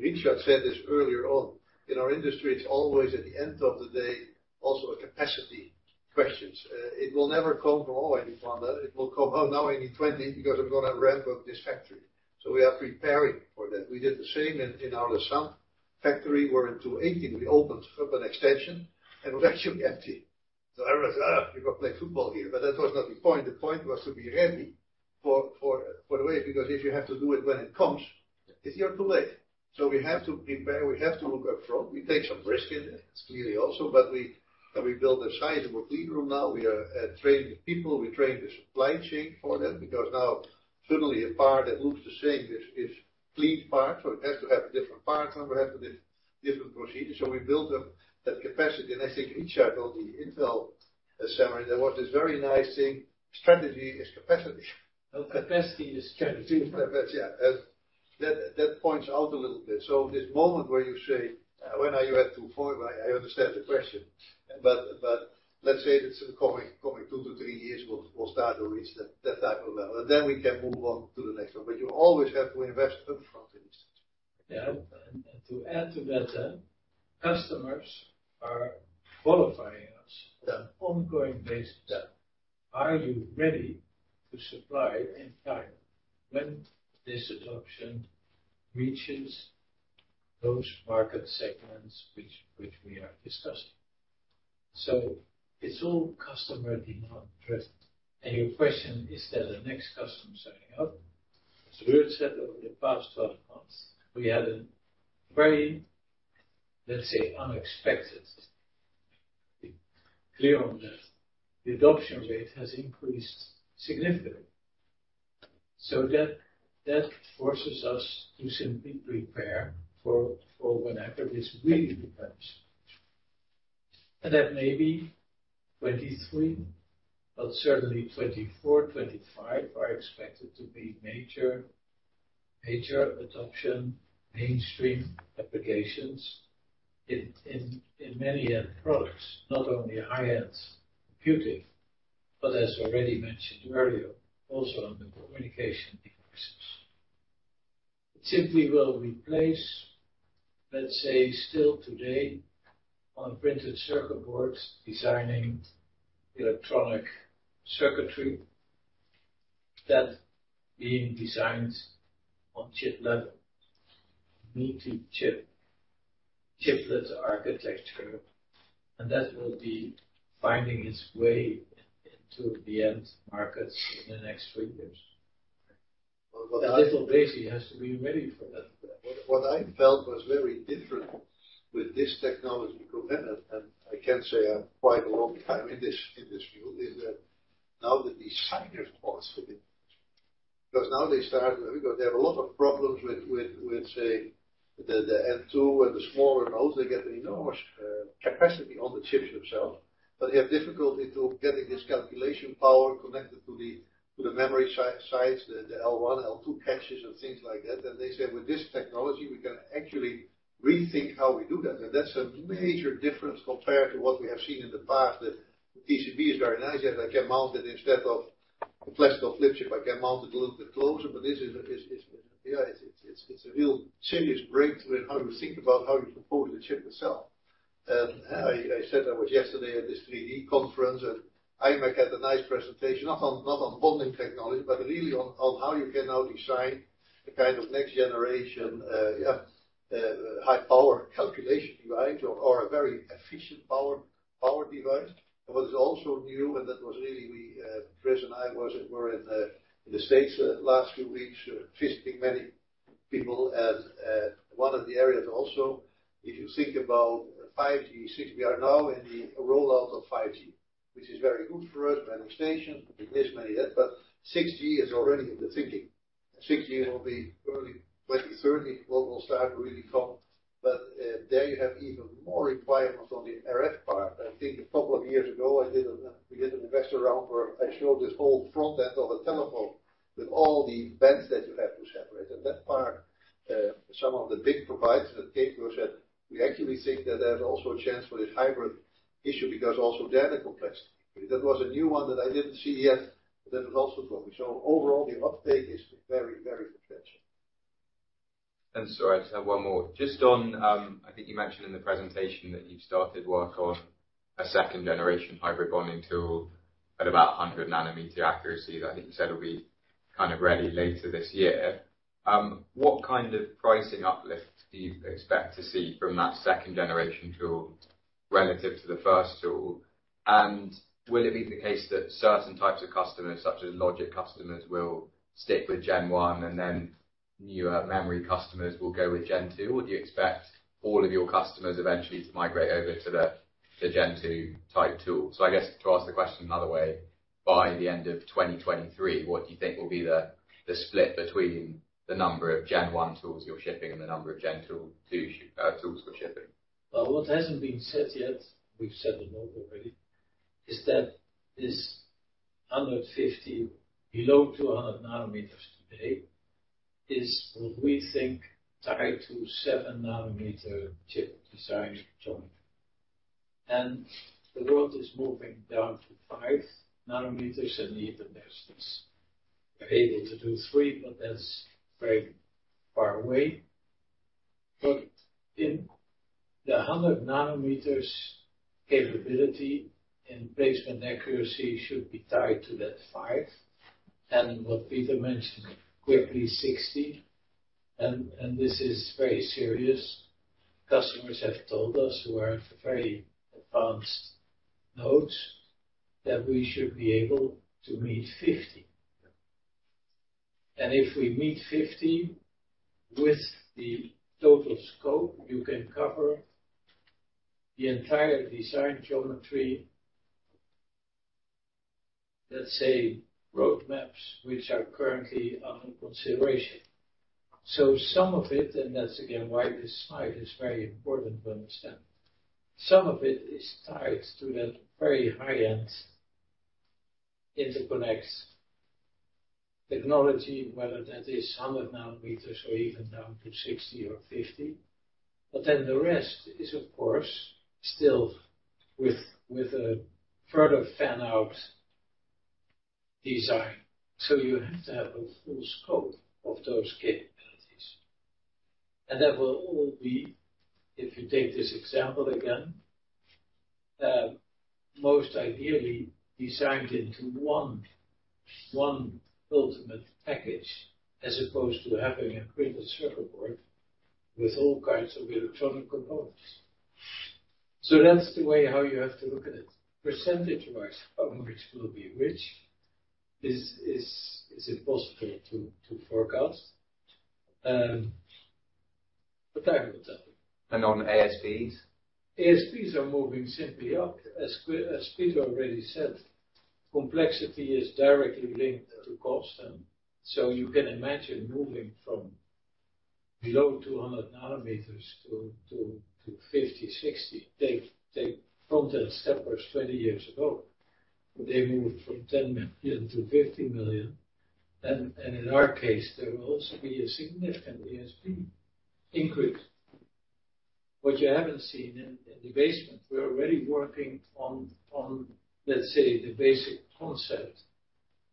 Richard said this earlier on. In our industry, it's always at the end of the day also a capacity questions. It will never come from, "Oh, I need one." It will come, "Oh, now I need 20 because I'm gonna ramp up this factory." We are preparing for that. We did the same in our Les Ulis factory where in 2018 we opened up an extension, and it was actually empty. Everyone said, "Ah, we could play football here." That was not the point. The point was to be ready for the wave because if you have to do it when it comes, it's either too late. We have to prepare, we have to look up front. We take some risk in it's clearly also, but we built a sizable clean room now. We are training the people. We train the supply chain for that because now suddenly a part that looks the same is a cleaned part, so it has to have a different part number. It has a different procedure. We built up that capacity, and I think Richard on the Intel assembly, there was this very nice thing, strategy is capacity. No, capacity is strategy. Capacity. Yeah, that points out a little bit. This moment where you say, when are you at 24, I understand the question, but let's say it's coming in 2-3 years we'll start to reach that type of level. We can move on to the next level. You always have to invest up front in this. Yeah. To add to that then, customers are qualifying us. Yeah on an ongoing basis. Yeah. Are you ready to supply in time when this adoption reaches those market segments which we are discussing? It's all customer demand driven. Your question, is there the next customer signing up? As Ruud said, over the past 12 months, we had a very, let's say, unexpected clarity on that. The adoption rate has increased significantly. That forces us to simply prepare for whenever this really happens. That may be 2023, but certainly 2024, 2025 are expected to be major adoption, mainstream applications in many end products. Not only high-end computing, but as already mentioned earlier, also on the communication devices. It simply will replace, let's say, still today on printed circuit boards, designing electronic circuitry that's being designed on chip level, multi chip, chiplet architecture, and that will be finding its way into the end markets in the next three years. Well, what I ASML basically has to be ready for that. What I felt was very different with this technology compared and I can say I have quite a long time in this industry is that now the designer is also the influencer because now they start because they have a lot of problems with say the N2 and the smaller nodes. They get an enormous capacity on the chips themselves but they have difficulty getting this calculation power connected to the memory sites the L1 L2 caches and things like that. They say with this technology we can actually rethink how we do that. That's a major difference compared to what we have seen in the past. The TCB is very nice and I can mount it instead of a plastic flip chip I can mount it a little bit closer but this is. Yeah, it's a real serious breakthrough in how you think about how you compose the chip itself. I said I was yesterday at this 3D conference, and imec had a nice presentation, not on bonding technology, but really on how you can now design the kind of next generation high power calculation device or a very efficient power device. What is also new, that was really Chris and I were in the States last few weeks visiting many people. One of the areas also, if you think about 5G, 6G, we are now in the rollout of 5G, which is very good for us, base stations, this many that, but 6G is already in the thinking. 6G will be early 2030, will start really come. There you have even more requirements on the RF part. I think a couple of years ago, we did an investor round where I showed this whole front end of a telephone with all the bands that you have to separate. That part, some of the big providers that came to us said, "We actually think that there's also a chance for this hybrid, is huge because of their complexity." That was a new one that I didn't see yet. That was also coming. Overall, the uptake is very, very professional. Sorry, just have one more. Just on, I think you mentioned in the presentation that you've started work on a second generation hybrid bonding tool at about 100 nanometer accuracy that I think you said will be kind of ready later this year. What kind of pricing uplift do you expect to see from that second generation tool relative to the first tool? Will it be the case that certain types of customers, such as logic customers, will stick with gen one and then newer memory customers will go with gen two? Or do you expect all of your customers eventually to migrate over to the gen two type tool? I guess to ask the question another way, by the end of 2023, what do you think will be the split between the number of Engine One tools you're shipping and the number of Engine Two tools you're shipping? Well, what hasn't been said yet, we've said it now already, is that this 150 below 200 nanometers today is what we think tied to 7-nanometer chip design node. The world is moving down to 5 nanometers, and even there's this capability to do 3, but that's very far away. In the 100 nanometers capability and placement accuracy should be tied to that 5. What Peter mentioned, 60, and this is very serious. Customers have told us who are at very advanced nodes that we should be able to meet 50. If we meet 50 with the total scope, you can cover the entire design geometry, let's say roadmaps, which are currently under consideration. Some of it, and that's again why this slide is very important to understand. Some of it is tied to that very high-end interconnects technology, whether that is 100 nanometers or even down to 60 or 50. The rest is, of course, still with a further fan-out design. You have to have a full scope of those capabilities. That will all be, if you take this example, again, most ideally designed into one ultimate package, as opposed to having a printed circuit board with all kinds of electronic components. That's the way how you have to look at it. Percentage-wise, how much will be which is impossible to forecast, but that will tell you. On ASPs? ASPs are moving simply up. As Peter already said, complexity is directly linked to cost, and so you can imagine moving from below 200 nanometers to 50, 60. Take ASML steppers twenty years ago, they moved from $10 million to $50 million, and in our case, there will also be a significant ASP increase. What you haven't seen in the basement, we're already working on, let's say, the basic concept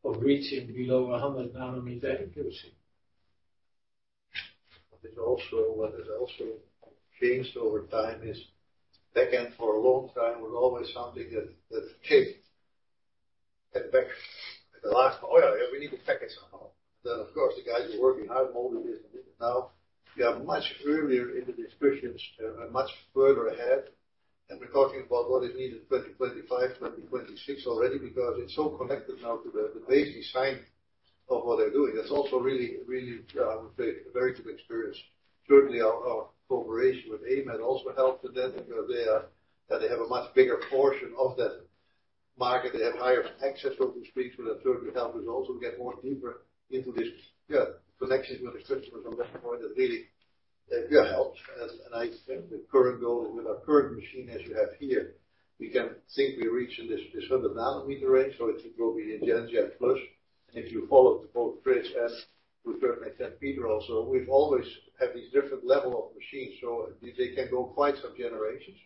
of reaching below 100 nanometer accuracy. What has also changed over time is backend for a long time was always something that came at back, at the last, "Oh, yeah, we need to pack it somehow." Of course, the guys are working hard, all of this. Now we are much earlier in the discussions and much further ahead. We're talking about what is needed in 2025, 2026 already because it's so connected now to the basic science of what they're doing. That's also really a very good experience. Certainly our cooperation with AMAT also helped. Then because that they have a much bigger portion of that market, they have higher access, so to speak. That certainly helped us also get more deeper into this, yeah, connections with the customers on that point. That really, yeah, helped. I think the current goal with our current machine, as you have here, we can simply reach in this 100 nanometer range. It will be in Gen3+. If you follow both Chris and, we've heard from Peter also, we've always had these different level of machines, so they can go quite some generations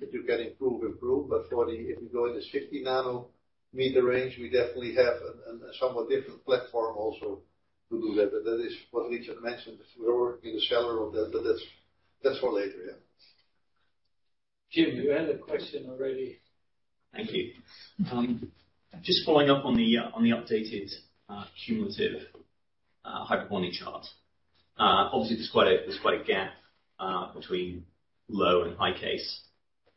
that you can improve. If you go in the 50 nanometer range, we definitely have a somewhat different platform also to do that. That is what Richard mentioned. We're working in the cellar on that, but that's for later, yeah. Jim, you had a question already. Thank you. Just following up on the updated cumulative hybrid bonding chart. Obviously, there's quite a gap between low and high case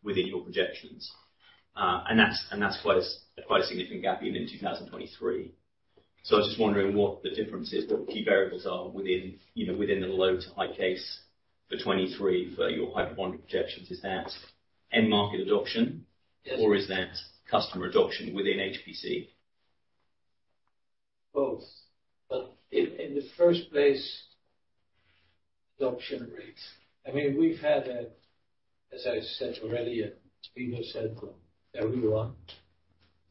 within your projections. That's quite a significant gap even in 2023. I was just wondering what the difference is, what the key variables are within, you know, the low to high case for 2023 for your hybrid bonding projections. Is that end market adoption? Yes. Is that customer adoption within HPC? Both. In the first place, adoption rates. I mean, we've had. As I said already, and Peter said, everyone,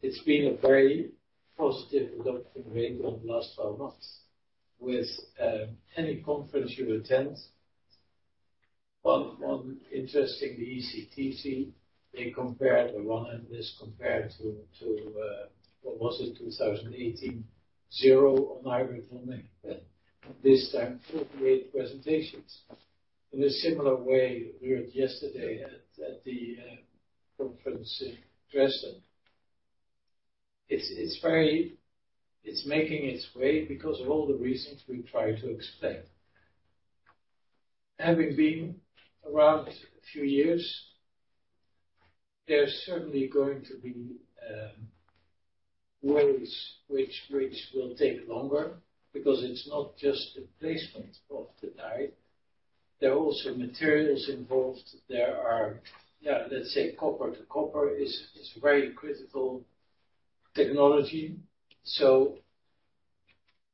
it's been a very positive adoption rate over the last 12 months with any conference you attend. One interesting, the ECTC, they compared one, and this compared to what was it? 2018, 0 on HBM. At this time, 48 presentations. In a similar way, we heard yesterday at the conference in Dresden. It's very. It's making its way because of all the reasons we try to explain. Having been around a few years, there's certainly going to be ways which routes will take longer because it's not just the placement of the die. There are also materials involved. There are, yeah, let's say copper to copper is very critical technology.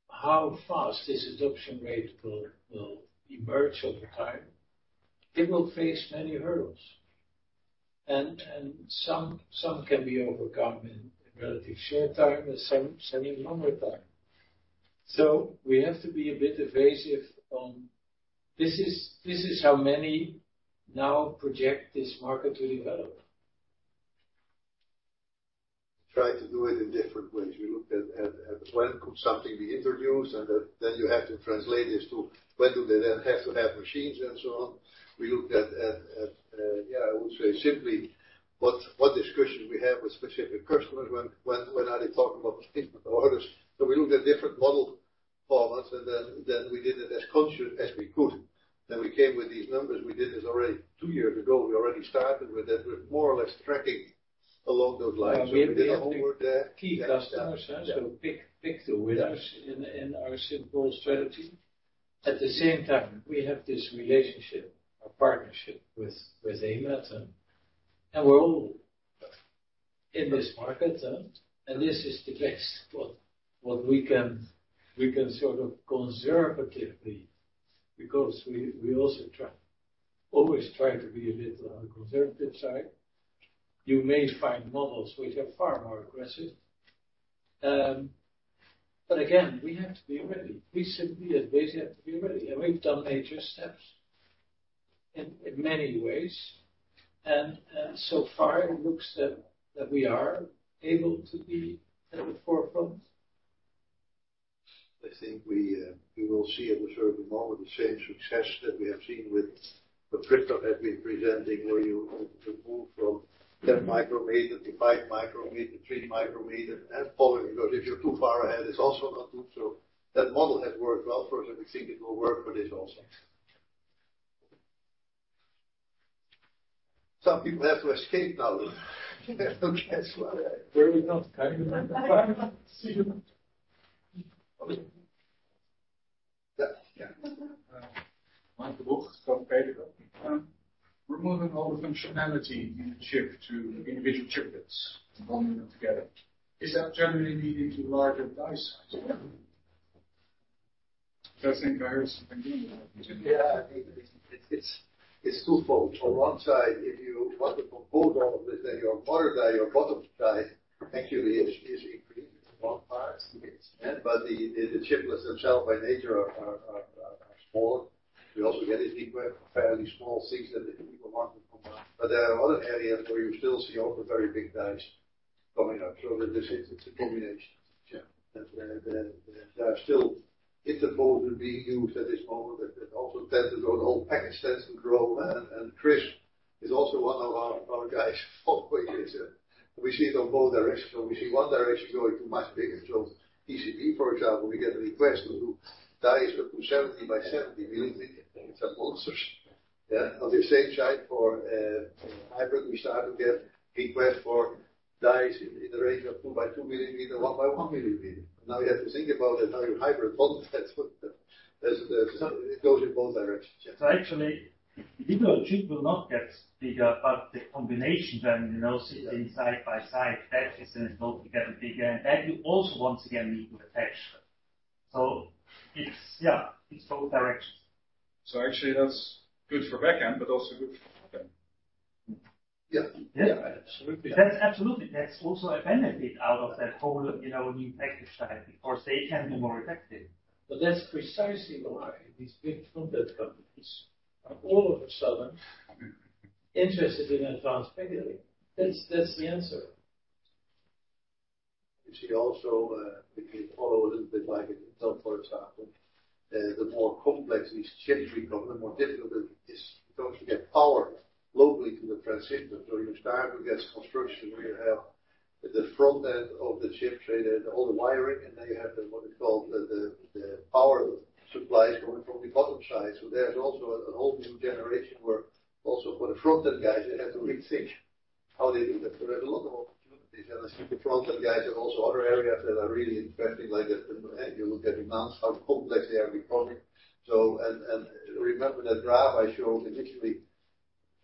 How fast this adoption rate will emerge over time, it will face many hurdles. Some can be overcome in relative short time and some in longer time. We have to be a bit evasive on this. This is how many now project this market to develop. Try to do it in different ways. We looked at when something could be introduced, and then you have to translate this to when they have to have machines, and so on. I would say simply what discussions we have with specific customers, when they are talking about placement orders. We looked at different model formats, and then we did it as consciously as we could. We came with these numbers. We did this already two years ago. We already started with it. We're more or less tracking along those lines. We did our homework there. Well, we have the key customers, huh? Pick the winners in our simple strategy. At the same time, we have this relationship or partnership with AMAT, and we're all in this market, huh? This is the best what we can sort of conservatively. We also try to be a bit on the conservative side. You may find models which are far more aggressive. Again, we have to be ready. We simply at least have to be ready, and we've done major steps in many ways. So far it looks that we are able to be at the forefront. I think we will see at a certain moment the same success that we have seen with what Christoph has been presenting, where you move from 10 micrometers to 5 micrometers, 3 micrometers, and following, because if you're too far ahead, it's also not good. That model has worked well for us, and we think it will work for this also. Some people have to escape now. They have to catch one. Worry not. See you. Yeah. Michael Buch from Freescale Semiconductor. Removing all the functionality in the chip to individual chiplets and bonding them together, is that generally leading to larger die sizes? That's in various applications. Yeah. Yeah. It's twofold. On one side, if you want to compose all of this, then your modern die or bottom die actually is increased. One part gets expanded, but the chiplets themselves by nature are small. We also get a request for fairly small things that the people want to combine. There are other areas where you still see all the very big dies coming up. This is a combination. Sure. There are still interposers being used at this moment that also test us or the old package tests and so. Chris is also one of our guys. We see it on both directions. We see one direction going to much bigger. Esec for example, we get a request to do dies of 70 by 70 millimeters. It's a monster. Yeah. On the same side, for hybrid, we start to get requests for dies in the range of 2 by 2 millimeter, 1 by 1 millimeter. Now you have to think about another hybrid model. It goes in both directions. Yeah. Actually, individual chip will not get bigger, but the combination then, you know, sitting side by side, that is then going to get bigger. That you also once again need to attach them. It's. Yeah, it's both directions. Actually that's good for back end, but also good for front end. Yeah. Yeah. Absolutely. That's absolutely. That's also a benefit out of that whole, you know, new package type because they can be more effective. That's precisely why these big front-end companies are all of a sudden interested in advanced packaging. That's the answer. You see also, if you follow a little bit like Intel, for example, the more complex these chips become, the more difficult it is to get power locally to the transistor. You start to get construction where you have the front-end of the chip there and all the wiring, and now you have what you call the power supplies coming from the bottom side. There's also a whole new generation where also for the front-end guys, they have to rethink how they do that. There is a lot of opportunities, and I see the front-end guys and also other areas that are really investing like that. You look at AMD, how complex they are becoming. Remember that graph I showed initially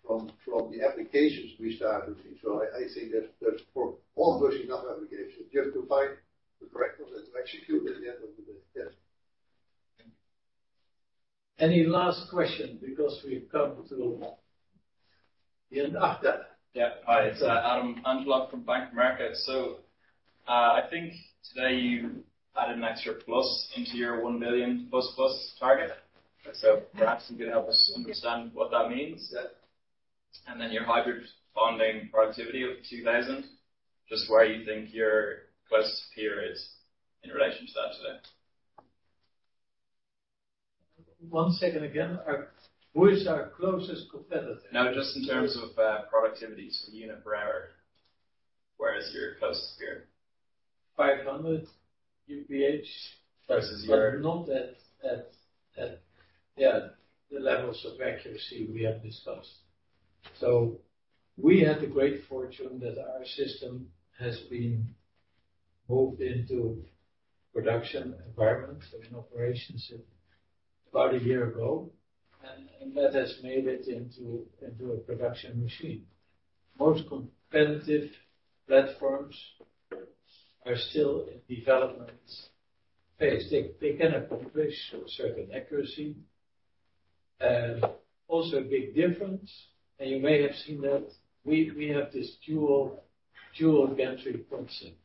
from the applications we started. I think there's for all versions of applications, you have to find the correct one and to execute it at the end of the day. Yeah. Any last question, because we've come to the end. Achta. Hi, it's Aditya Metuku from Bank of America. I think today you added an extra plus into your 1 billion plus plus target. Perhaps you could help us understand what that means. Your hybrid bonding productivity of 2000, just where you think your closest peer is in relation to that today. One second. Who is our closest competitor? No, just in terms of productivity, so unit per hour, where is your closest peer? 500 UPH. Versus your- Not at the levels of accuracy we have discussed. We had the great fortune that our system has been moved into production environments and operations about a year ago, and that has made it into a production machine. Most competitive platforms are still in development phase. They can accomplish a certain accuracy. Also a big difference, and you may have seen that. We have this dual gantry concept.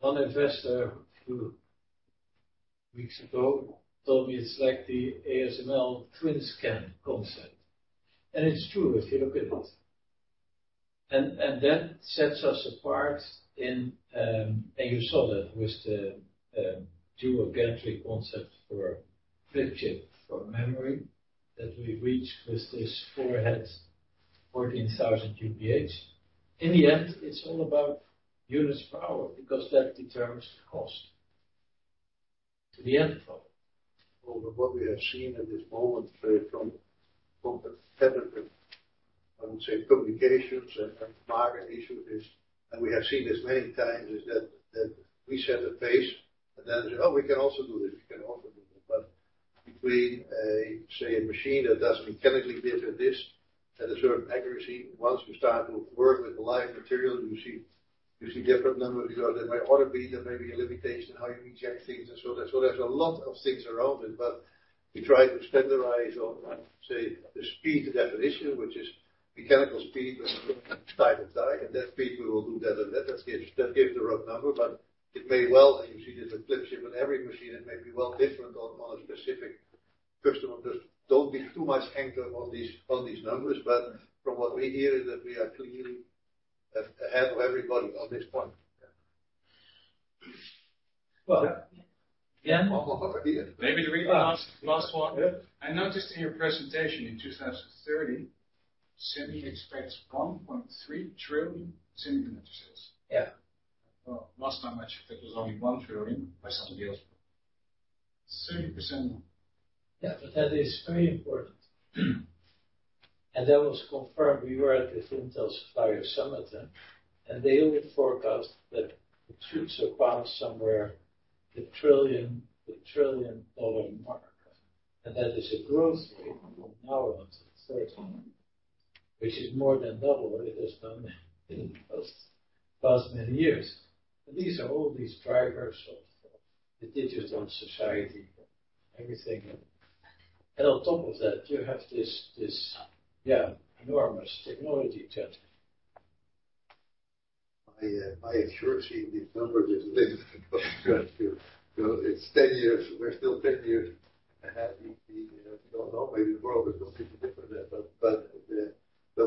One investor who weeks ago told me it's like the ASML TWINSCAN concept. It's true if you look at it. That sets us apart. You saw that with the dual gantry concept for flip chip, for memory that we reached with this four heads 14,000 UPH. In the end, it's all about units per hour, because that determines the cost. In the end. Although what we have seen at this moment from the competitor, I would say publications and market issue is, and we have seen this many times, is that we set the pace and then say, "Oh, we can also do this. We can also do that." Between a machine that does mechanically different this at a certain accuracy, once you start to work with live material, you see different numbers, because there may be a limitation how you reject things and so on. There's a lot of things around it, but we try to standardize on say, the speed definition, which is mechanical speed when you go die to die, and that speed will do that and that. That gives the rough number, but it may well, and you see there's a flip chip on every machine, it may be well different on a specific customer. Just don't give too much anchor on these numbers. From what we hear is that we are clearly ahead of everybody on this point. Well. Yeah. Again. One more here. Maybe the last one. Yeah. I noticed in your presentation, in 2030, SEMI expects $1.3 trillion semiconductor sales. Yeah. Well, last time I checked, it was only $1 trillion by some deals. 30%. That is very important. That was confirmed. We were at the Intel Supplier Summit, and they only forecast that it should surpass somewhere the $1 trillion mark. That is a growth rate from now to 2030, which is more than double what it has done in the past many years. These are all these drivers of the digital society, everything. On top of that, you have this enormous technology change. I've surely seen these numbers in this structure. It's 10 years. We're still 10 years ahead. I don't know, maybe the world is completely different then.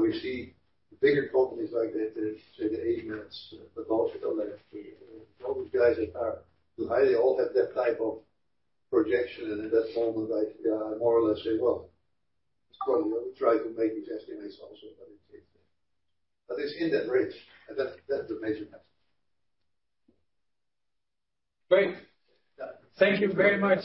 We see the bigger companies like, say, the ASMLs, the KLA, all that. All these guys all have that type of projection. At that moment, I more or less say, "Well, let me try to make these estimates also," but it takes. It's in that range, and that's the measurement. Great. Thank you very much.